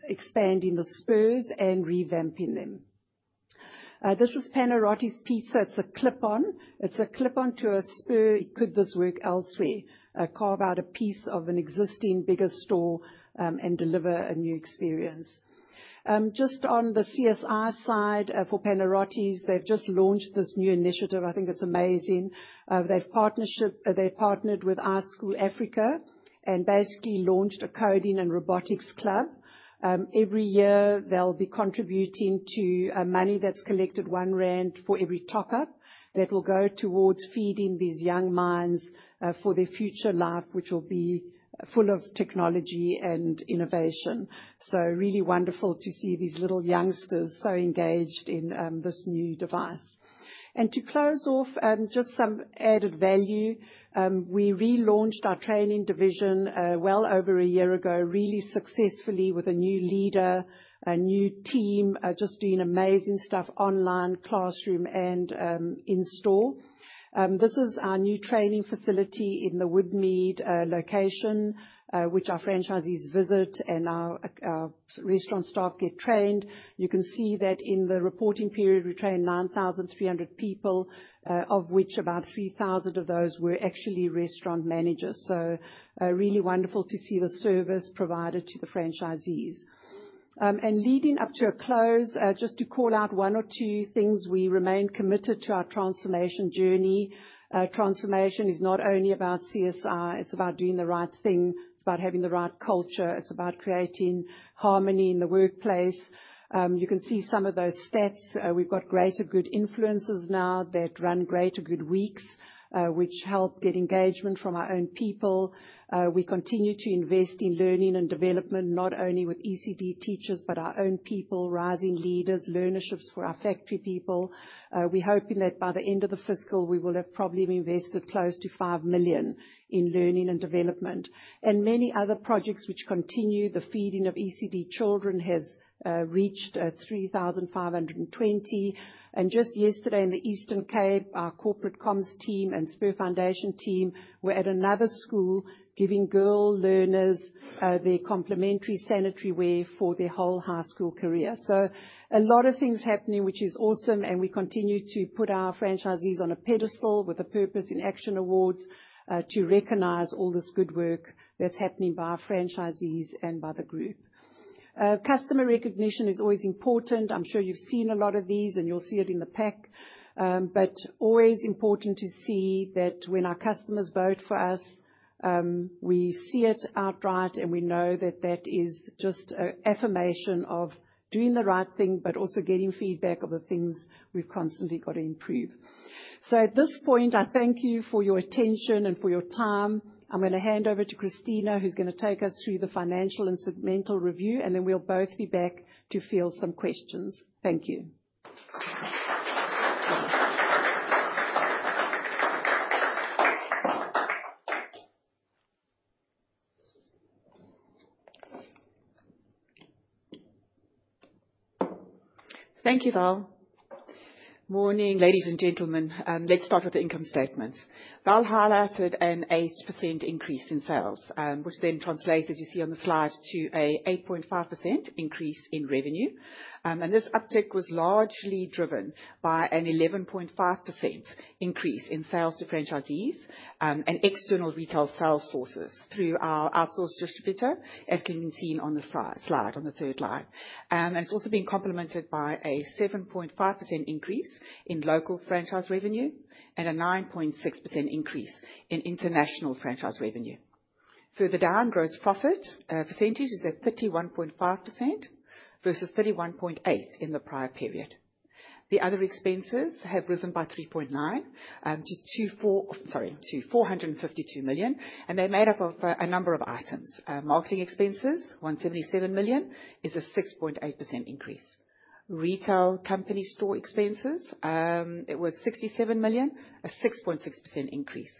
A: expanding the Spurs and revamping them. This was Panarottis Pizza. It's a clip-on. It's a clip-on to a Spur. Could this work elsewhere? Carve out a piece of an existing bigger store and deliver a new experience. Just on the CSI side, for Panarottis, they've just launched this new initiative. I think it's amazing. They've partnered with iSchool Africa and basically launched a coding and robotics club. Every year, they'll be contributing to money that's collected, 1 rand for every top-up. That will go towards feeding these young minds for their future life, which will be full of technology and innovation. Really wonderful to see these little youngsters so engaged in this new device. To close off, just some added value, we relaunched our training division, well over a year ago, really successfully, with a new leader, a new team, just doing amazing stuff online, classroom, and in-store. This is our new training facility in the Woodmead location, which our franchisees visit, and our restaurant staff get trained. You can see that in the reporting period, we trained 9,300 people, of which, about 3,000 of those were actually restaurant managers. Really wonderful to see the service provided to the franchisees. Leading up to a close, just to call out one or two things, we remain committed to our transformation journey. Transformation is not only about CSI, it's about doing the right thing, it's about having the right culture, it's about creating harmony in the workplace. You can see some of those stats. We've got greater good influencers now that run greater good weeks, which help get engagement from our own people. We continue to invest in learning and development, not only with ECD teachers, but our own people, rising leaders, learnerships for our factory people. We're hoping that by the end of the fiscal, we will have probably invested close to 5 million in learning and development. Many other projects which continue, the feeding of ECD children has reached 3,520. Just yesterday in the Eastern Cape, our corporate comms team and Spur Foundation team were at another school, giving girl learners their complimentary sanitary wear for their whole high school career. A lot of things happening, which is awesome, and we continue to put our franchisees on a pedestal with a Purpose In Action Awards to recognize all this good work that's happening by our franchisees and by the group. Customer recognition is always important. I'm sure you've seen a lot of these, and you'll see it in the pack. Always important to see that when our customers vote for us, we see it outright, and we know that that is just a affirmation of doing the right thing, but also getting feedback of the things we've constantly got to improve. At this point, I thank you for your attention and for your time. I'm gonna hand over to Cristina, who's gonna take us through the financial and segmental review, and then we'll both be back to field some questions. Thank you.
B: Thank you, Val. Morning, ladies and gentlemen. Let's start with the income statement. Val highlighted an 8% increase in sales, which then translates, as you see on the slide, to a 8.5% increase in revenue. This uptick was largely driven by an 11.5% increase in sales to franchisees, and external retail sales sources through our outsourced distributor, as can be seen on the slide, on the third slide. It's also been complemented by a 7.5% increase in local franchise revenue and a 9.6% increase in international franchise revenue. Further down, gross profit percentage is at 31.5% versus 31.8% in the prior period. The other expenses have risen by 3.9% to. Sorry, to 452 million, and they're made up of a number of items. Marketing expenses, 177 million, is a 6.8% increase. Retail company store expenses, it was 67 million, a 6.6% increase.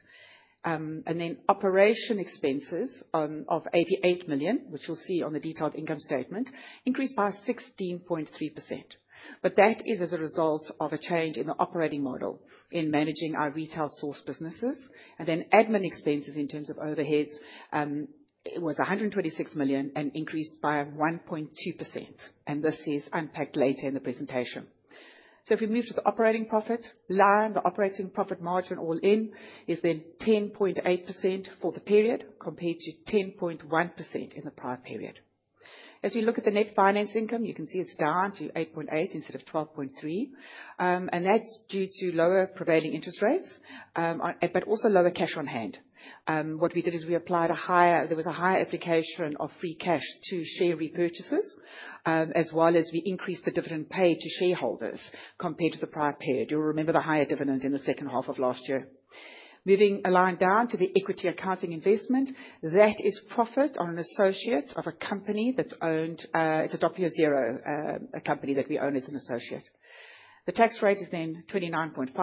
B: Operation expenses, of 88 million, which you'll see on the detailed income statement, increased by 16.3%, but that is as a result of a change in the operating model in managing our retail source businesses. Admin expenses in terms of overheads, it was 126 million and increased by 1.2%, and this is unpacked later in the presentation. If we move to the operating profit line, the operating profit margin all in, is then 10.8% for the period, compared to 10.1% in the prior period. As you look at the net finance income, you can see it's down to 8.8 instead of 12.3, and that's due to lower prevailing interest rates, but also lower cash on hand. What we did is there was a higher application of free cash to share repurchases, as well as we increased the dividend paid to shareholders compared to the prior period. You'll remember the higher dividend in the second half of last year. Moving a line down to the equity accounting investment, that is profit on an associate of a company that's owned, it's a Doppio Zero, a company that we own as an associate. The tax rate is 29.5%,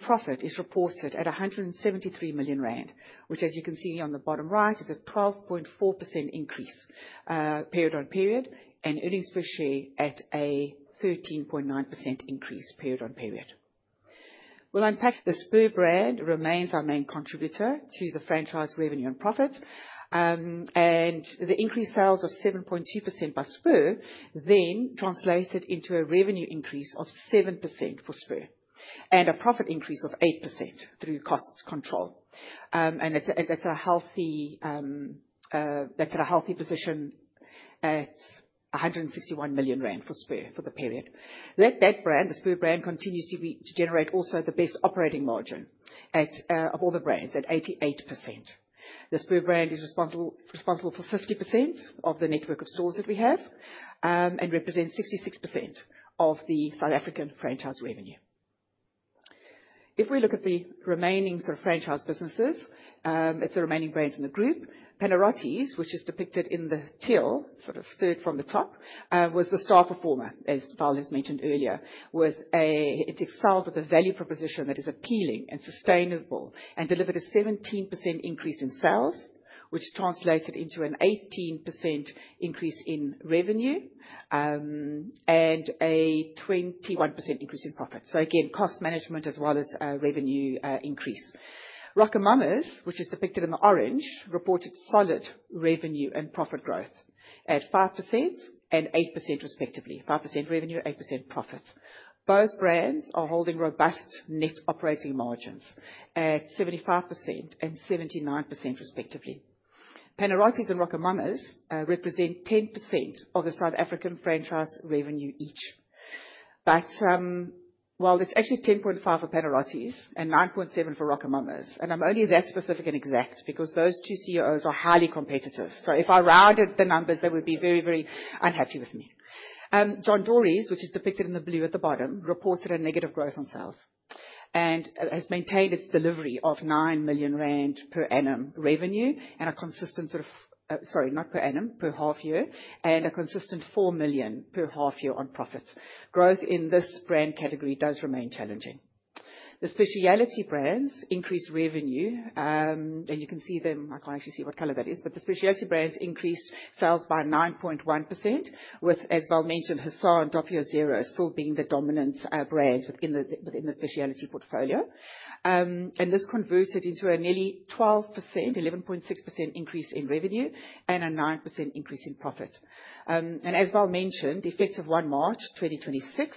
B: profit is reported at 173 million rand, which, as you can see on the bottom right, is a 12.4% increase period on period, earnings per share at a 13.9% increase period on period. The Spur brand remains our main contributor to the franchise revenue and profit. The increased sales of 7.2% by Spur translated into a revenue increase of 7% for Spur, and a profit increase of 8% through cost control. That's at a healthy position at 161 million rand for Spur for the period. That brand, the Spur brand, continues to generate also the best operating margin of all the brands, at 88%. The Spur brand is responsible for 50% of the network of stores that we have and represents 66% of the South African franchise revenue. If we look at the remaining sort of franchise businesses, it's the remaining brands in the group. Panarottis, which is depicted in the teal, sort of third from the top, was the star performer, as Val has mentioned earlier, it excels with a value proposition that is appealing and sustainable, and delivered a 17% increase in sales, which translated into an 18% increase in revenue, and a 21% increase in profit. Again, cost management as well as revenue increase. RocoMamas, which is depicted in the orange, reported solid revenue and profit growth at 5% and 8% respectively, 5% revenue, 8% profit. Both brands are holding robust net operating margins at 75% and 79%, respectively. Panarottis and RocoMamas represent 10% of the South African franchise revenue each. Well, it's actually 10.5% for Panarottis and 9.7% for RocoMamas, and I'm only that specific and exact because those two CEOs are highly competitive. If I rounded the numbers, they would be very unhappy with me. John Dory's, which is depicted in the blue at the bottom, reported a negative growth on sales, and has maintained its delivery of 9 million rand per annum revenue, sorry, not per annum, per half year, and a consistent 4 million per half year on profits. Growth in this brand category does remain challenging. The specialty brands increased revenue, and you can see them. I can't actually see what color that is, but the specialty brands increased sales by 9.1%, with, as Val mentioned, Hussar and Doppio Zero still being the dominant brands within the specialty portfolio. This converted into a nearly 12%, 11.6% increase in revenue, and a 9% increase in profit. As Val mentioned, effective 1 March 2026,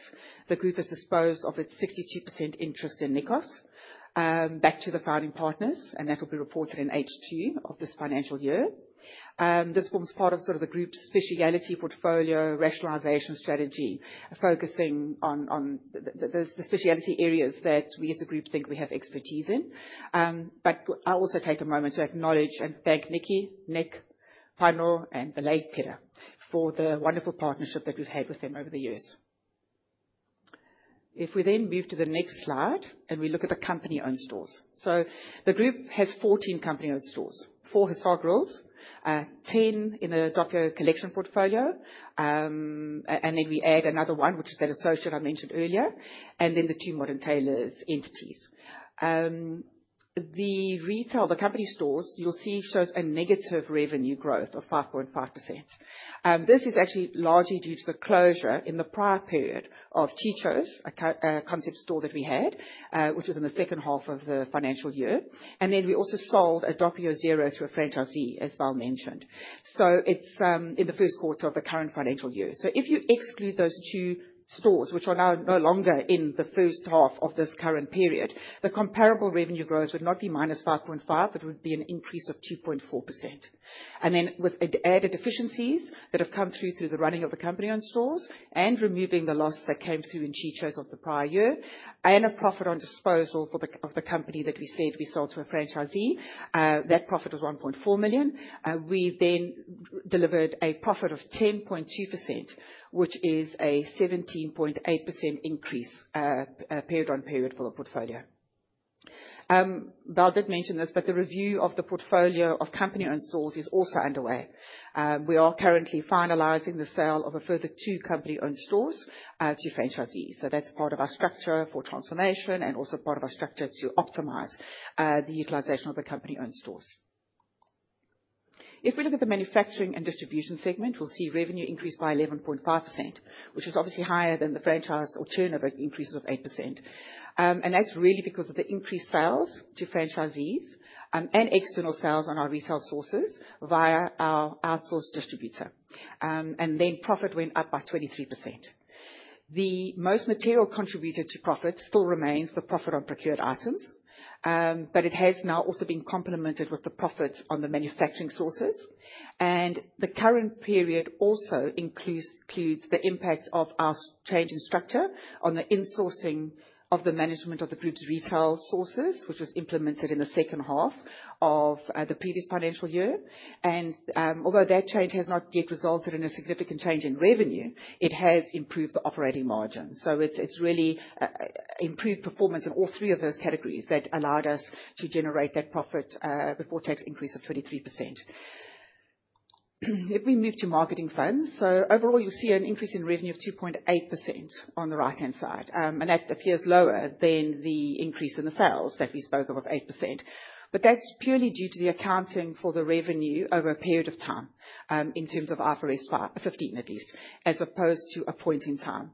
B: the group has disposed of its 62% interest in Nikos back to the founding partners, and that will be reported in H2 of this financial year. This forms part of sort of the group's specialty portfolio rationalization strategy, focusing on the specialty areas that we, as a group, think we have expertise in. I'll also take a moment to acknowledge and thank Nikki, Nick, Pano, and Vellay Panar for the wonderful partnership that we've had with them over the years. If we move to the next slide, we look at the company-owned stores. The group has 14 company-owned stores, four Hussar Grills, 10 in the Doppio Collection portfolio, we add another one, which is that Associate I mentioned earlier, the two Modern Tailors entities. The retail, the company stores, you'll see, shows a negative revenue growth of 5.5%. This is actually largely due to the closure in the prior period of Ciccio, a concept store that we had, which was in the second half of the financial year. We also sold a Doppio Zero to a franchisee, as Val mentioned, so it's in the first quarter of the current financial year. If you exclude those two stores, which are now no longer in the first half of this current period, the comparable revenue growth would not be -5.5%, but it would be an increase of 2.4%. With added efficiencies that have come through through the running of the company on stores, and removing the loss that came through in Ciccio of the prior year, and a profit on disposal of the company that we said we sold to a franchisee, that profit was 1.4 million. We delivered a profit of 10.2%, which is a 17.8% increase period on period for the portfolio. Val did mention this, the review of the portfolio of company-owned stores is also underway. We are currently finalizing the sale of a further two company-owned stores to franchisees. That's part of our structure for transformation and also part of our structure to optimize the utilization of the company-owned stores. If we look at the manufacturing and distribution segment, we'll see revenue increased by 11.5%, which is obviously higher than the franchise or turnover increases of 8%. That's really because of the increased sales to franchisees and external sales on our resale sources via our outsourced distributor. Profit went up by 23%. The most material contributor to profit still remains the profit on procured items, but it has now also been complemented with the profit on the manufacturing sources. The current period also includes the impact of our change in structure on the insourcing of the management of the group's retail sources, which was implemented in the second half of the previous financial year. Although that change has not yet resulted in a significant change in revenue, it has improved the operating margin. It's really improved performance in all three of those categories that allowed us to generate that profit before tax increase of 23%. If we move to marketing funds, overall, you'll see an increase in revenue of 2.8% on the right-hand side. That appears lower than the increase in the sales that we spoke of 8%, but that's purely due to the accounting for the revenue over a period of time, in terms of IFRS 15, at least, as opposed to a point in time.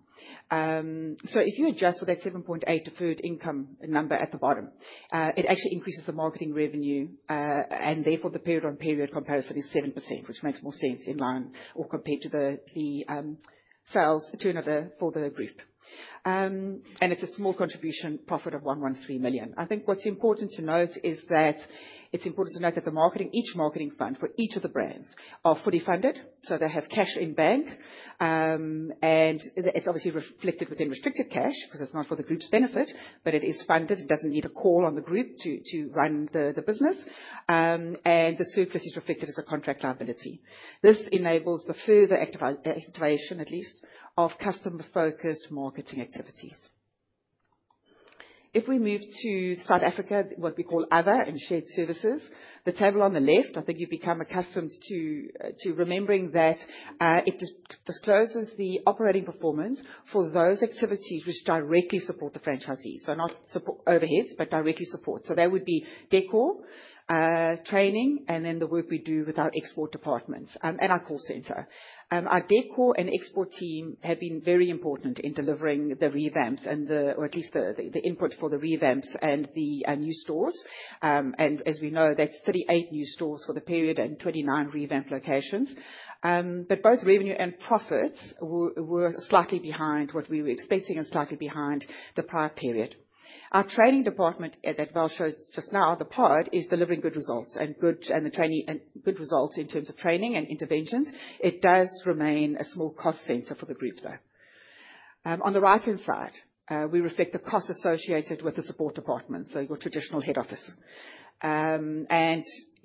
B: If you adjust for that 7.8 deferred income number at the bottom, it actually increases the marketing revenue, and therefore the period-on-period comparison is 7%, which makes more sense in line or compared to the sales turnover for the group. It's a small contribution profit of 113 million. It's important to note that the marketing, each marketing fund for each of the brands are fully funded, so they have cash in bank. It's obviously reflected within restricted cash, because it's not for the group's benefit, but it is funded. It doesn't need a call on the group to run the business, and the surplus is reflected as a contract liability. This enables the further activation, at least, of customer-focused marketing activities. If we move to South Africa, what we call Other and Shared Services, the table on the left, I think you've become accustomed to remembering that, it discloses the operating performance for those activities which directly support the franchisees, so not support overheads, but directly support. So that would be decor, training, and then the work we do with our export departments, and our call center. Our decor and export team have been very important in delivering the revamps and the, or at least the input for the revamps and the new stores. As we know, that's 38 new stores for the period and 29 revamped locations. Both revenue and profits were slightly behind what we were expecting and slightly behind the prior period. Our training department, that Val showed just now, the part, is delivering good results in terms of training and interventions. It does remain a small cost center for the group, though. On the right-hand side, we reflect the costs associated with the support department, so your traditional head office.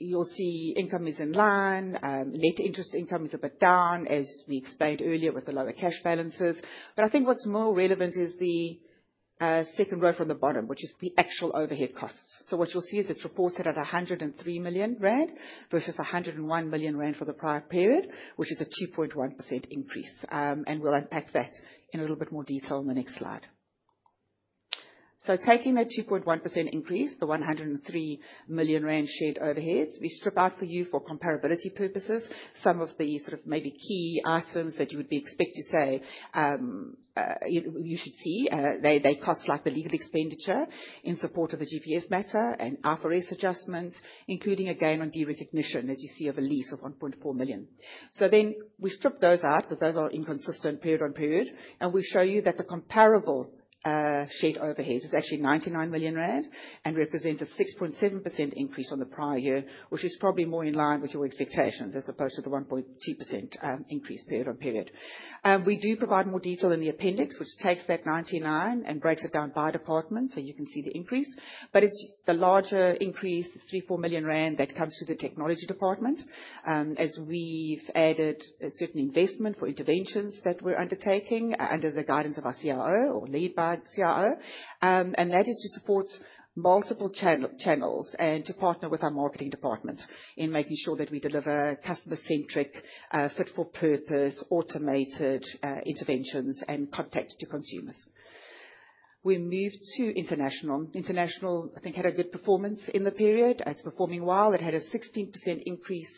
B: You'll see income is in line, net interest income is a bit down, as we explained earlier, with the lower cash balances. I think what's more relevant is the second row from the bottom, which is the actual overhead costs. What you'll see is it's reported at 103 million rand versus 101 million rand for the prior period, which is a 2.1% increase. We'll unpack that in a little bit more detail in the next slide. Taking that 2.1% increase, the 103 million rand shared overheads, we strip out for you for comparability purposes, some of the sort of maybe key items that you would be expect to say, you should see, they cost, like the legal expenditure in support of the GPS matter and IFRS adjustments, including a gain on de-recognition, as you see, of a lease of 1.4 million. We strip those out, because those are inconsistent period on period, and we show you that the comparable shared overheads is actually 99 million rand and represents a 6.7% increase on the prior year, which is probably more in line with your expectations, as opposed to the 1.2% increase period on period. We do provide more detail in the appendix, which takes that 99 and breaks it down by department, so you can see the increase. It's the larger increase, 3, 4 million, that comes through the technology department, as we've added a certain investment for interventions that we're undertaking under the guidance of our CRO or led by CRO. That is to support multiple channels, and to partner with our marketing department in making sure that we deliver customer-centric, fit-for-purpose, automated, interventions and contact to consumers. We move to international. International, I think, had a good performance in the period. It's performing well. It had a 16% increase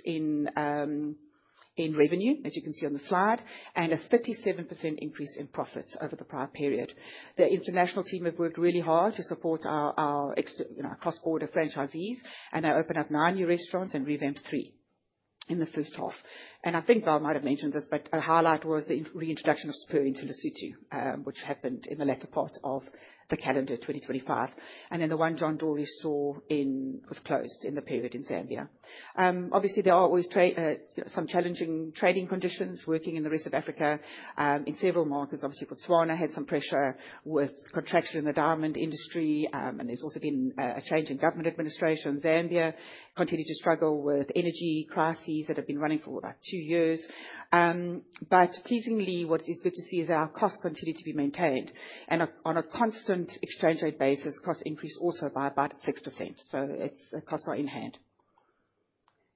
B: in revenue, as you can see on the slide, and a 37% increase in profits over the prior period. The international team have worked really hard to support our, you know, our cross-border franchisees, and they opened up nine new restaurants and revamped three in the first half. I think Val might have mentioned this, but a highlight was the reintroduction of Spur in Maseru, which happened in the latter part of the calendar 2025, and then the one John Dory's store was closed in the period in Zambia. Obviously, there are always some challenging trading conditions working in the rest of Africa, in several markets. Obviously, Botswana had some pressure with contraction in the diamond industry, and there's also been a change in government administration. Zambia continued to struggle with energy crises that have been running for about two years. Pleasingly, what is good to see is our costs continue to be maintained, and on a constant exchange rate basis, costs increased also by about 6%, so it's costs are in hand.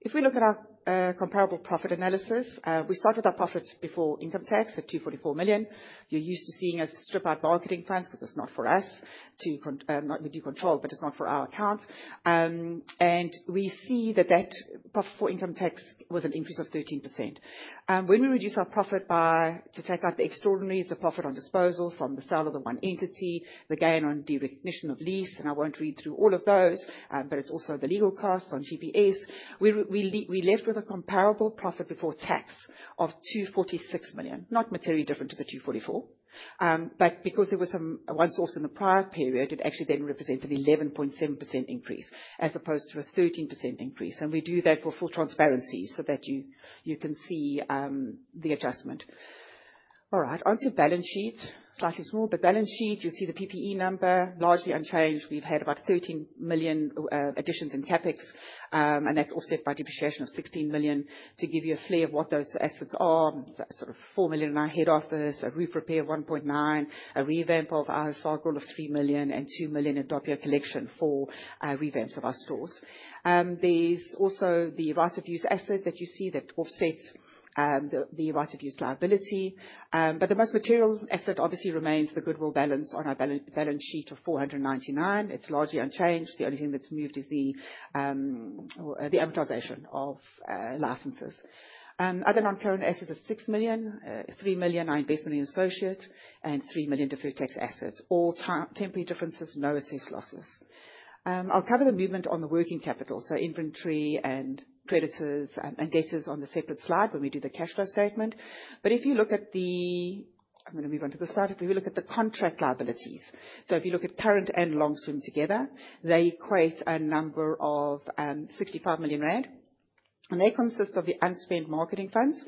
B: If we look at our comparable profit analysis, we start with our profits before income tax, at 244 million. You're used to seeing us strip out marketing funds, because it's not for us to not we do control, but it's not for our account. We see that that profit before income tax was an increase of 13%. When we reduce our profit by, to take out the extraordinaries, the profit on disposal from the sale of the one entity, the gain on de-recognition of lease, and I won't read through all of those, but it's also the legal costs on GPS. We're left with a comparable profit before tax of 246 million, not materially different to the 244. Because there was some one source in the prior period, it actually then represents an 11.7% increase, as opposed to a 13% increase. We do that for full transparency so that you can see the adjustment. All right, onto balance sheet. Slightly small, but balance sheet, you'll see the PPE number, largely unchanged. We've had about 13 million additions in CapEx, and that's offset by depreciation of 16 million. To give you a flavor of what those assets are, sort of 4 million in our head office, a roof repair of 1.9 million, a revamp of our stock roll of 3 million, and 2 million in Doppio Collection for revamps of our stores. There's also the right-of-use asset that you see that offsets the right-of-use liability. The most material asset obviously remains the goodwill balance on our balance sheet of 499 million. It's largely unchanged. The only thing that's moved is the amortization of licenses. Other non-current assets of 6 million, 3 million are investment in associates, and 3 million deferred tax assets, all temporary differences, no assessed losses. I'll cover the movement on the working capital, so inventory and creditors and debtors on the separate slide when we do the cash flow statement. I'm gonna move on to the slide. If you look at the contract liabilities, so if you look at current and long term together, they create a number of 65 million rand, and they consist of the unspent marketing funds,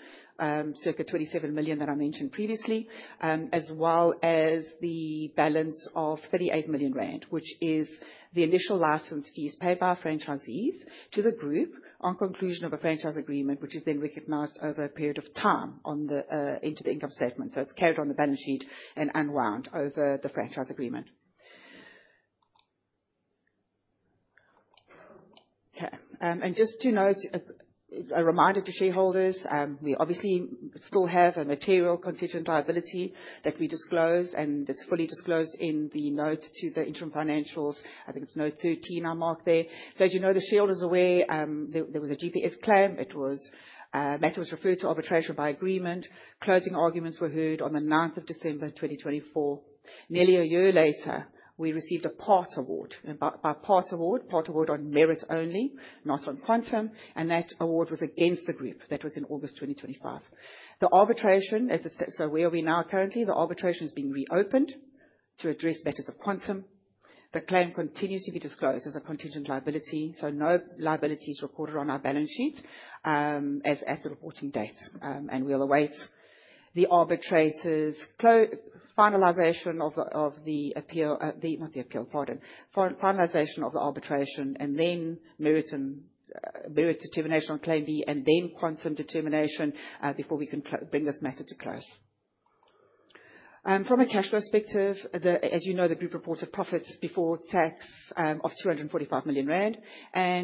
B: circa 27 million that I mentioned previously, as well as the balance of 38 million rand, which is the initial license fees paid by our franchisees to the group on conclusion of a franchise agreement, which is then recognized over a period of time into the income statement. It's carried on the balance sheet and unwound over the franchise agreement. Okay, just to note, a reminder to shareholders, we obviously still have a material contingent liability that we disclosed, and it's fully disclosed in the notes to the interim financials. I think it's note 13 I marked there. As you know, the shareholders are aware, there was a GPS claim. It was, matter was referred to arbitration by agreement. Closing arguments were heard on the 9th of December, 2024. Nearly a year later, we received a part award, part award on merits only, not on quantum, and that award was against the group. That was in August 2025. The arbitration, as I said. Where are we now currently? The arbitration has been reopened to address matters of quantum. The claim continues to be disclosed as a contingent liability, no liability is recorded on our balance sheet as at the reporting date. We'll await the arbitrator's finalization of the appeal. Not the appeal, pardon. Finalization of the arbitration, merit determination on claim B, quantum determination before we can bring this matter to close. From a cash flow perspective, as you know, the group reported profits before tax of 245 million rand.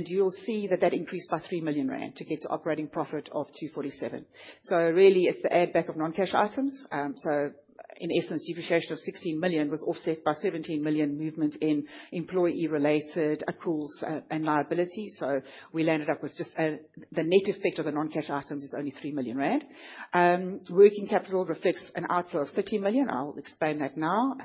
B: You'll see that that increased by 3 million rand to get to operating profit of 247 million. Really, it's the add back of non-cash items. In essence, depreciation of 16 million was offset by 17 million movement in employee-related accruals and liabilities. We landed up with just the net effect of the non-cash items is only 3 million rand. Working capital reflects an outflow of 30 million. I'll explain that now.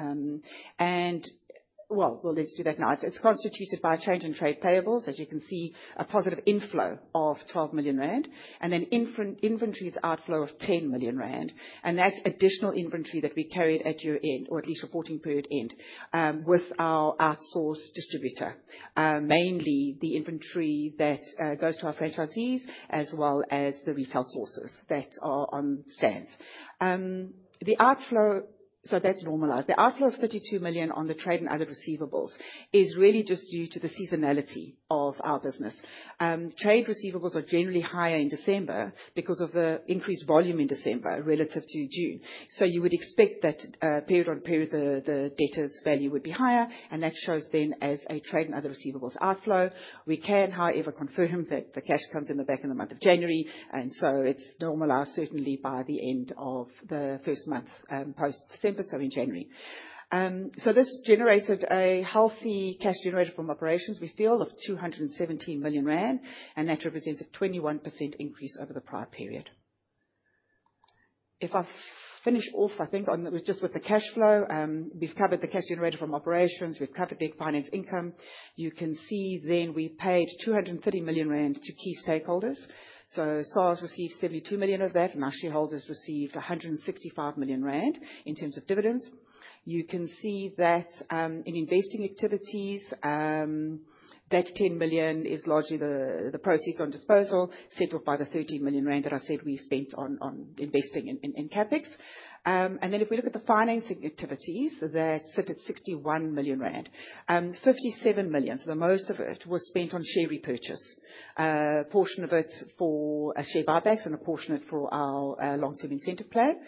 B: Well, let's do that now. It's constituted by a change in trade payables, as you can see, a positive inflow of 12 million rand, and then inventories outflow of 10 million rand, and that's additional inventory that we carried at year-end, or at least reporting period end, with our outsourced distributor. Mainly the inventory that goes to our franchisees as well as the retail sources that are on stands. The outflow. That's normalized. The outflow of 32 million on the trade and other receivables is really just due to the seasonality of our business. Trade receivables are generally higher in December because of the increased volume in December relative to June. You would expect that, period on period, the debtors' value would be higher, and that shows then as a trade and other receivables outflow. We can, however, confirm that the cash comes in the back in the month of January, it's normalized certainly by the end of the first month, post December, so in January. This generated a healthy cash generated from operations, we feel, of 217 million rand, and that represents a 21% increase over the prior period. If I finish off, I think, with just with the cash flow, we've covered the cash generated from operations, we've covered the finance income. You can see then we paid 230 million rand to key stakeholders, so SARS received 72 million of that, and our shareholders received 165 million rand in terms of dividends. You can see that in investing activities, that 10 million is largely the proceeds on disposal, settled by the 13 million rand that I said we spent on investing in CapEx. If we look at the financing activities, that sit at 61 million rand. 57 million, the most of it was spent on share repurchase. A portion of it for share buybacks and a portion of it for our long-term incentive plan.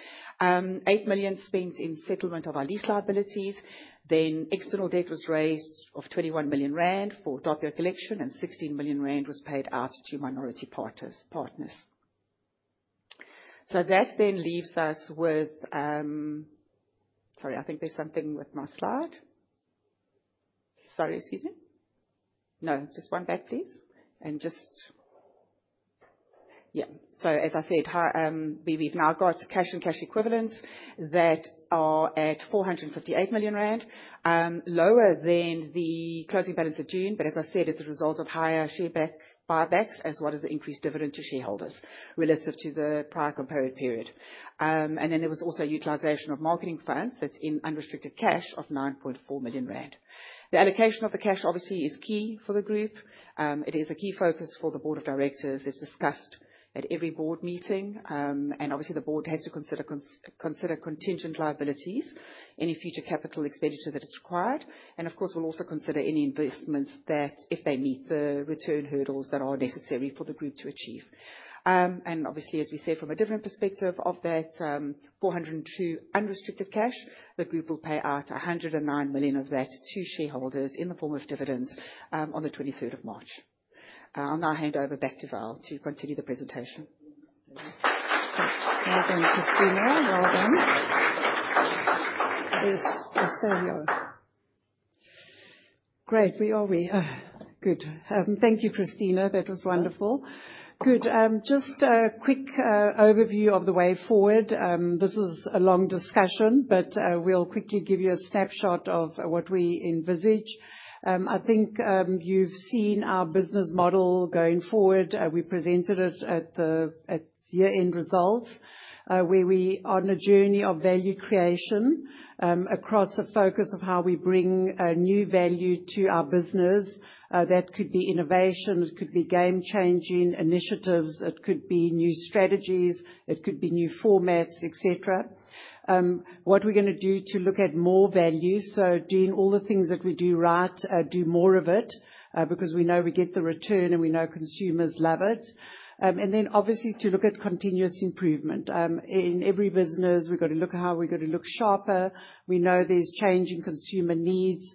B: 8 million spent in settlement of our lease liabilities. External debt was raised of 21 million rand for top-up collection, 16 million rand was paid out to minority partners. That then leaves us with, I think there's something with my slide. Excuse me. Just one back, please. As I said, we've now got cash and cash equivalents that are at 458 million rand, lower than the closing balance of June. As I said, it's a result of higher share backs, buybacks, as well as the increased dividend to shareholders relative to the prior comparative period. There was also utilization of marketing funds that's in unrestricted cash of 9.4 million rand. The allocation of the cash obviously is key for the group. It is a key focus for the board of directors, as discussed at every board meeting. Obviously, the board has to consider contingent liabilities, any future capital expenditure that is required, and of course, we'll also consider any investments that, if they meet the return hurdles that are necessary for the group to achieve. Obviously, as we said, from a different perspective, of that, 402 unrestricted cash, the group will pay out 109 million of that to shareholders in the form of dividends, on the 23rd of March. I'll now hand over back to Val to continue the presentation.
A: Thank you, Cristina. Well done. It's all yours. Great, where are we? Good. Thank you, Cristina. That was wonderful. Good. Just a quick overview of the way forward. This is a long discussion, but we'll quickly give you a snapshot of what we envisage. I think you've seen our business model going forward. We presented it at the year-end results, where we are on a journey of value creation, across a focus of how we bring new value to our business. That could be innovation, it could be game-changing initiatives, it could be new strategies, it could be new formats, etc. What we're going to do to look at more value, so doing all the things that we do right, do more of it, because we know we get the return, and we know consumers love it. Obviously, to look at continuous improvement. In every business, we've got to look at how we're going to look sharper. We know there's change in consumer needs,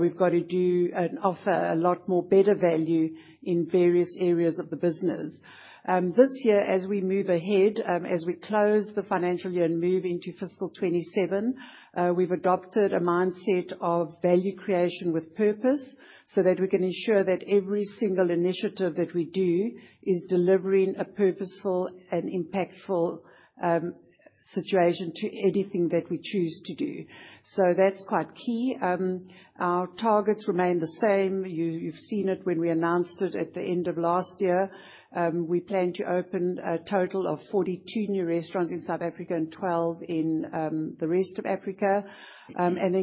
A: we've got to do and offer a lot more better value in various areas of the business. This year, as we move ahead, as we close the financial year and move into fiscal 2027, we've adopted a mindset of value creation with purpose so that we can ensure that every single initiative that we do is delivering a purposeful and impactful situation to anything that we choose to do. That's quite key. Our targets remain the same. You've seen it when we announced it at the end of last year. We plan to open a total of 42 new restaurants in South Africa and 12 in the rest of Africa,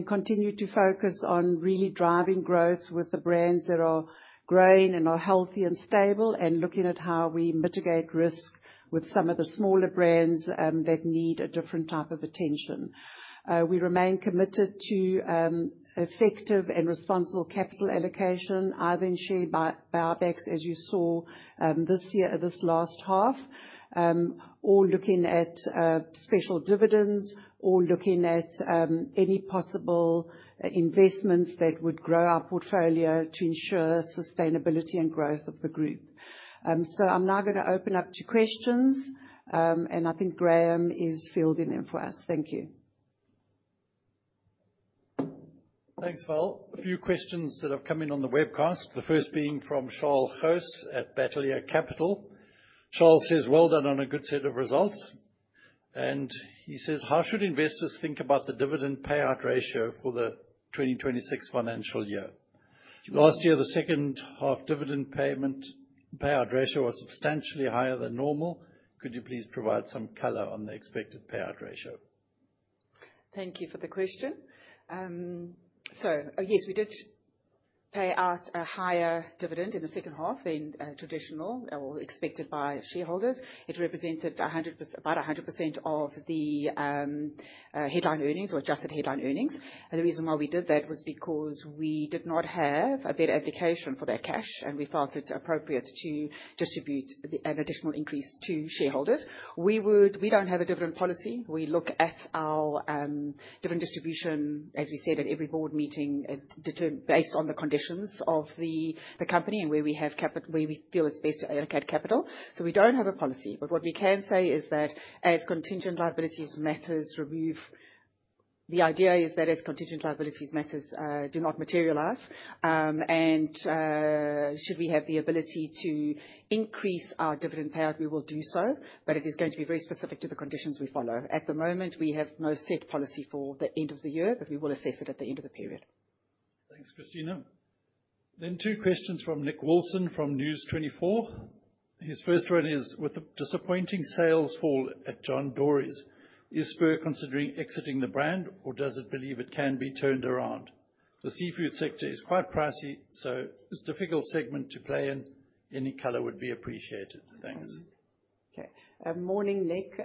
A: continue to focus on really driving growth with the brands that are growing and are healthy and stable, and looking at how we mitigate risk with some of the smaller brands that need a different type of attention. We remain committed to effective and responsible capital allocation, either in share buybacks, as you saw this year, this last half, or looking at special dividends, or looking at any possible investments that would grow our portfolio to ensure sustainability and growth of the group. I'm now going to open up to questions, and I think Graeme is fielding them for us. Thank you.
C: Thanks, Val. A few questions that have come in on the webcast, the first being from Charles Haw at Bateleur Capital. Charles says, "Well done on a good set of results." And he says, "How should investors think about the dividend payout ratio for the 2026 financial year? Last year, the second half dividend payment payout ratio was substantially higher than normal. Could you please provide some color on the expected payout ratio?
B: Thank you for the question. Yes, we did pay out a higher dividend in the second half than traditional or expected by shareholders. It represented about 100% of the headline earnings or adjusted headline earnings. The reason why we did that was because we did not have a better application for that cash, and we felt it appropriate to distribute an additional increase to shareholders. We don't have a dividend policy. We look at our dividend distribution, as we said, at every board meeting, based on the conditions of the company and where we have capital, where we feel it's best to allocate capital. We don't have a policy, but what we can say is that as contingent liabilities matters, remove... The idea is that as contingent liabilities matters, do not materialize, and should we have the ability to increase our dividend payout, we will do so, but it is going to be very specific to the conditions we follow. At the moment, we have no set policy for the end of the year, but we will assess it at the end of the period.
C: Thanks, Cristina. Two questions from Nick Wilson, from News24. His first one is: With the disappointing sales fall at John Dory's, is Spur considering exiting the brand or does it believe it can be turned around? The seafood sector is quite pricey, so it's a difficult segment to play in. Any color would be appreciated. Thanks.
A: Okay. morning, Nick.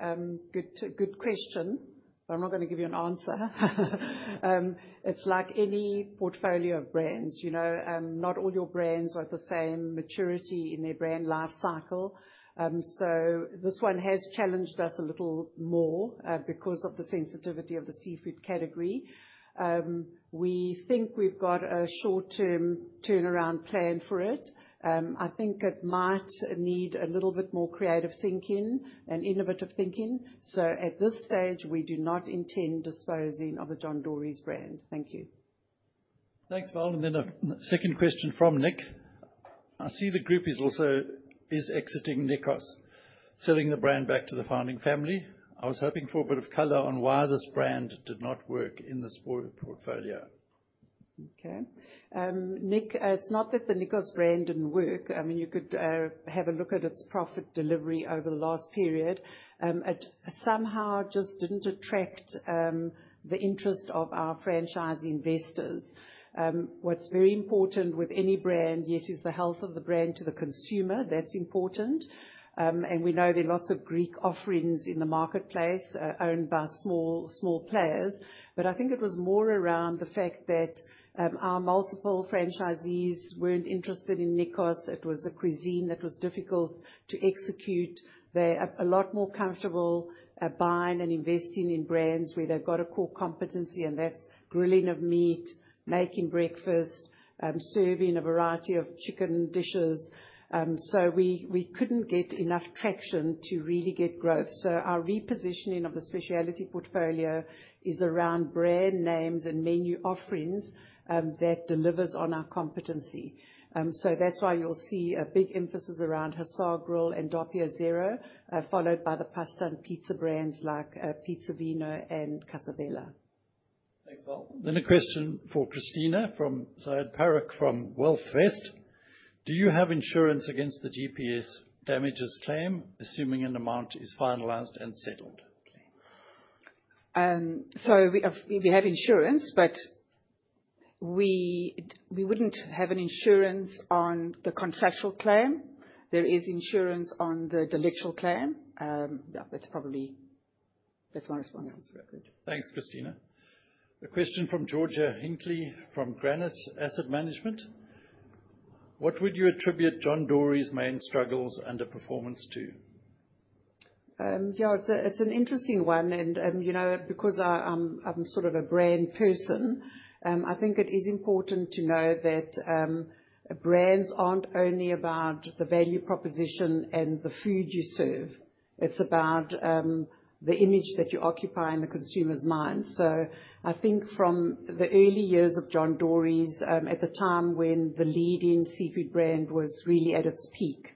A: good question, but I'm not gonna give you an answer. it's like any portfolio of brands, you know, not all your brands are at the same maturity in their brand life cycle. this one has challenged us a little more, because of the sensitivity of the seafood category. we think we've got a short-term turnaround plan for it. I think it might need a little bit more creative thinking and innovative thinking. At this stage, we do not intend disposing of the John Dory's brand. Thank you.
C: Thanks, Val. Second question from Nick. I see the group is also exiting Nikos, selling the brand back to the founding family. I was hoping for a bit of color on why this brand did not work in the Spur portfolio.
A: Nick, it's not that the Nikos brand didn't work. You could have a look at its profit delivery over the last period. It somehow just didn't attract the interest of our franchise investors. What's very important with any brand, yes, is the health of the brand to the consumer. That's important. We know there are lots of Greek offerings in the marketplace, owned by small players. I think it was more around the fact that our multiple franchisees weren't interested in Nikos. It was a cuisine that was difficult to execute. They're a lot more comfortable at buying and investing in brands where they've got a core competency, and that's grilling of meat, making breakfast, serving a variety of chicken dishes. We couldn't get enough traction to really get growth. Our repositioning of the specialty portfolio is around brand names and menu offerings, that delivers on our competency. That's why you'll see a big emphasis around Hussar Grill and Doppio Zero, followed by the pasta and pizza brands Piza ē Vino and Casa Bella.
C: Thanks, Val. A question for Christina from Zaid Paruk, from Wealthvest: Do you have insurance against the GPS damages claim, assuming an amount is finalized and settled?
B: We have insurance, but we wouldn't have an insurance on the contractual claim. There is insurance on the delictual claim. Yeah, that's my response.
C: Thanks, Christina. A question from Georgia Hinckley, from Granate Asset Management: What would you attribute John Dory's main struggles and the performance to?
A: Yeah, it's an interesting one, and, you know, because I'm sort of a brand person, I think it is important to know that brands aren't only about the value proposition and the food you serve. It's about the image that you occupy in the consumer's mind. I think from the early years of John Dory's, at the time when the leading seafood brand was really at its peak,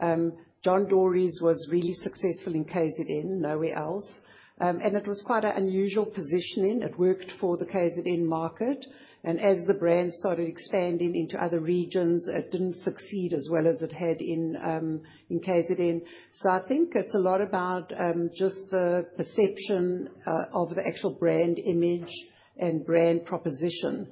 A: John Dory's was really successful in KZN, nowhere else. It was quite an unusual positioning. It worked for the KZN market, and as the brand started expanding into other regions, it didn't succeed as well as it had in KZN. I think it's a lot about, just the perception of the actual brand image and brand proposition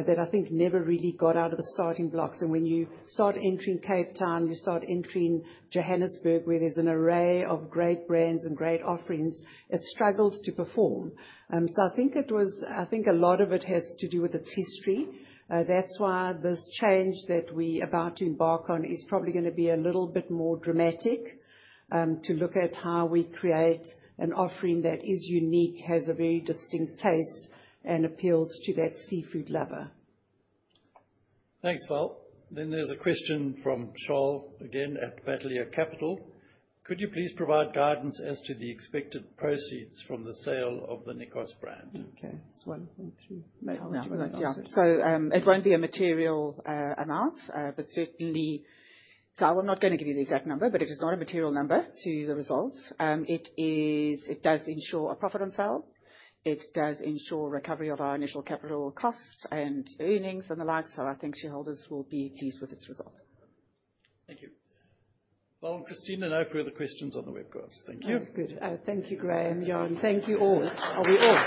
A: that I think never really got out of the starting blocks. When you start entering Cape Town, you start entering Johannesburg, where there's an array of great brands and great offerings, it struggles to perform. I think a lot of it has to do with its history. That's why this change that we are about to embark on is probably gonna be a little bit more dramatic to look at how we create an offering that is unique, has a very distinct taste, and appeals to that seafood lover.
C: Thanks, Val. There's a question from Charles again, at Bateleur Capital: Could you please provide guidance as to the expected proceeds from the sale of the Nikos brand?
A: Okay. That's one for you.
B: Yeah. It won't be a material amount. I'm not gonna give you the exact number, but it is not a material number to the results. It does ensure a profit on sale. It does ensure recovery of our initial capital costs and earnings and the like, so I think shareholders will be pleased with its result.
C: Thank you. Well, Christina, no further questions on the webcast. Thank you.
A: Oh, good. Thank you, Greame, [inaudible] thank you all.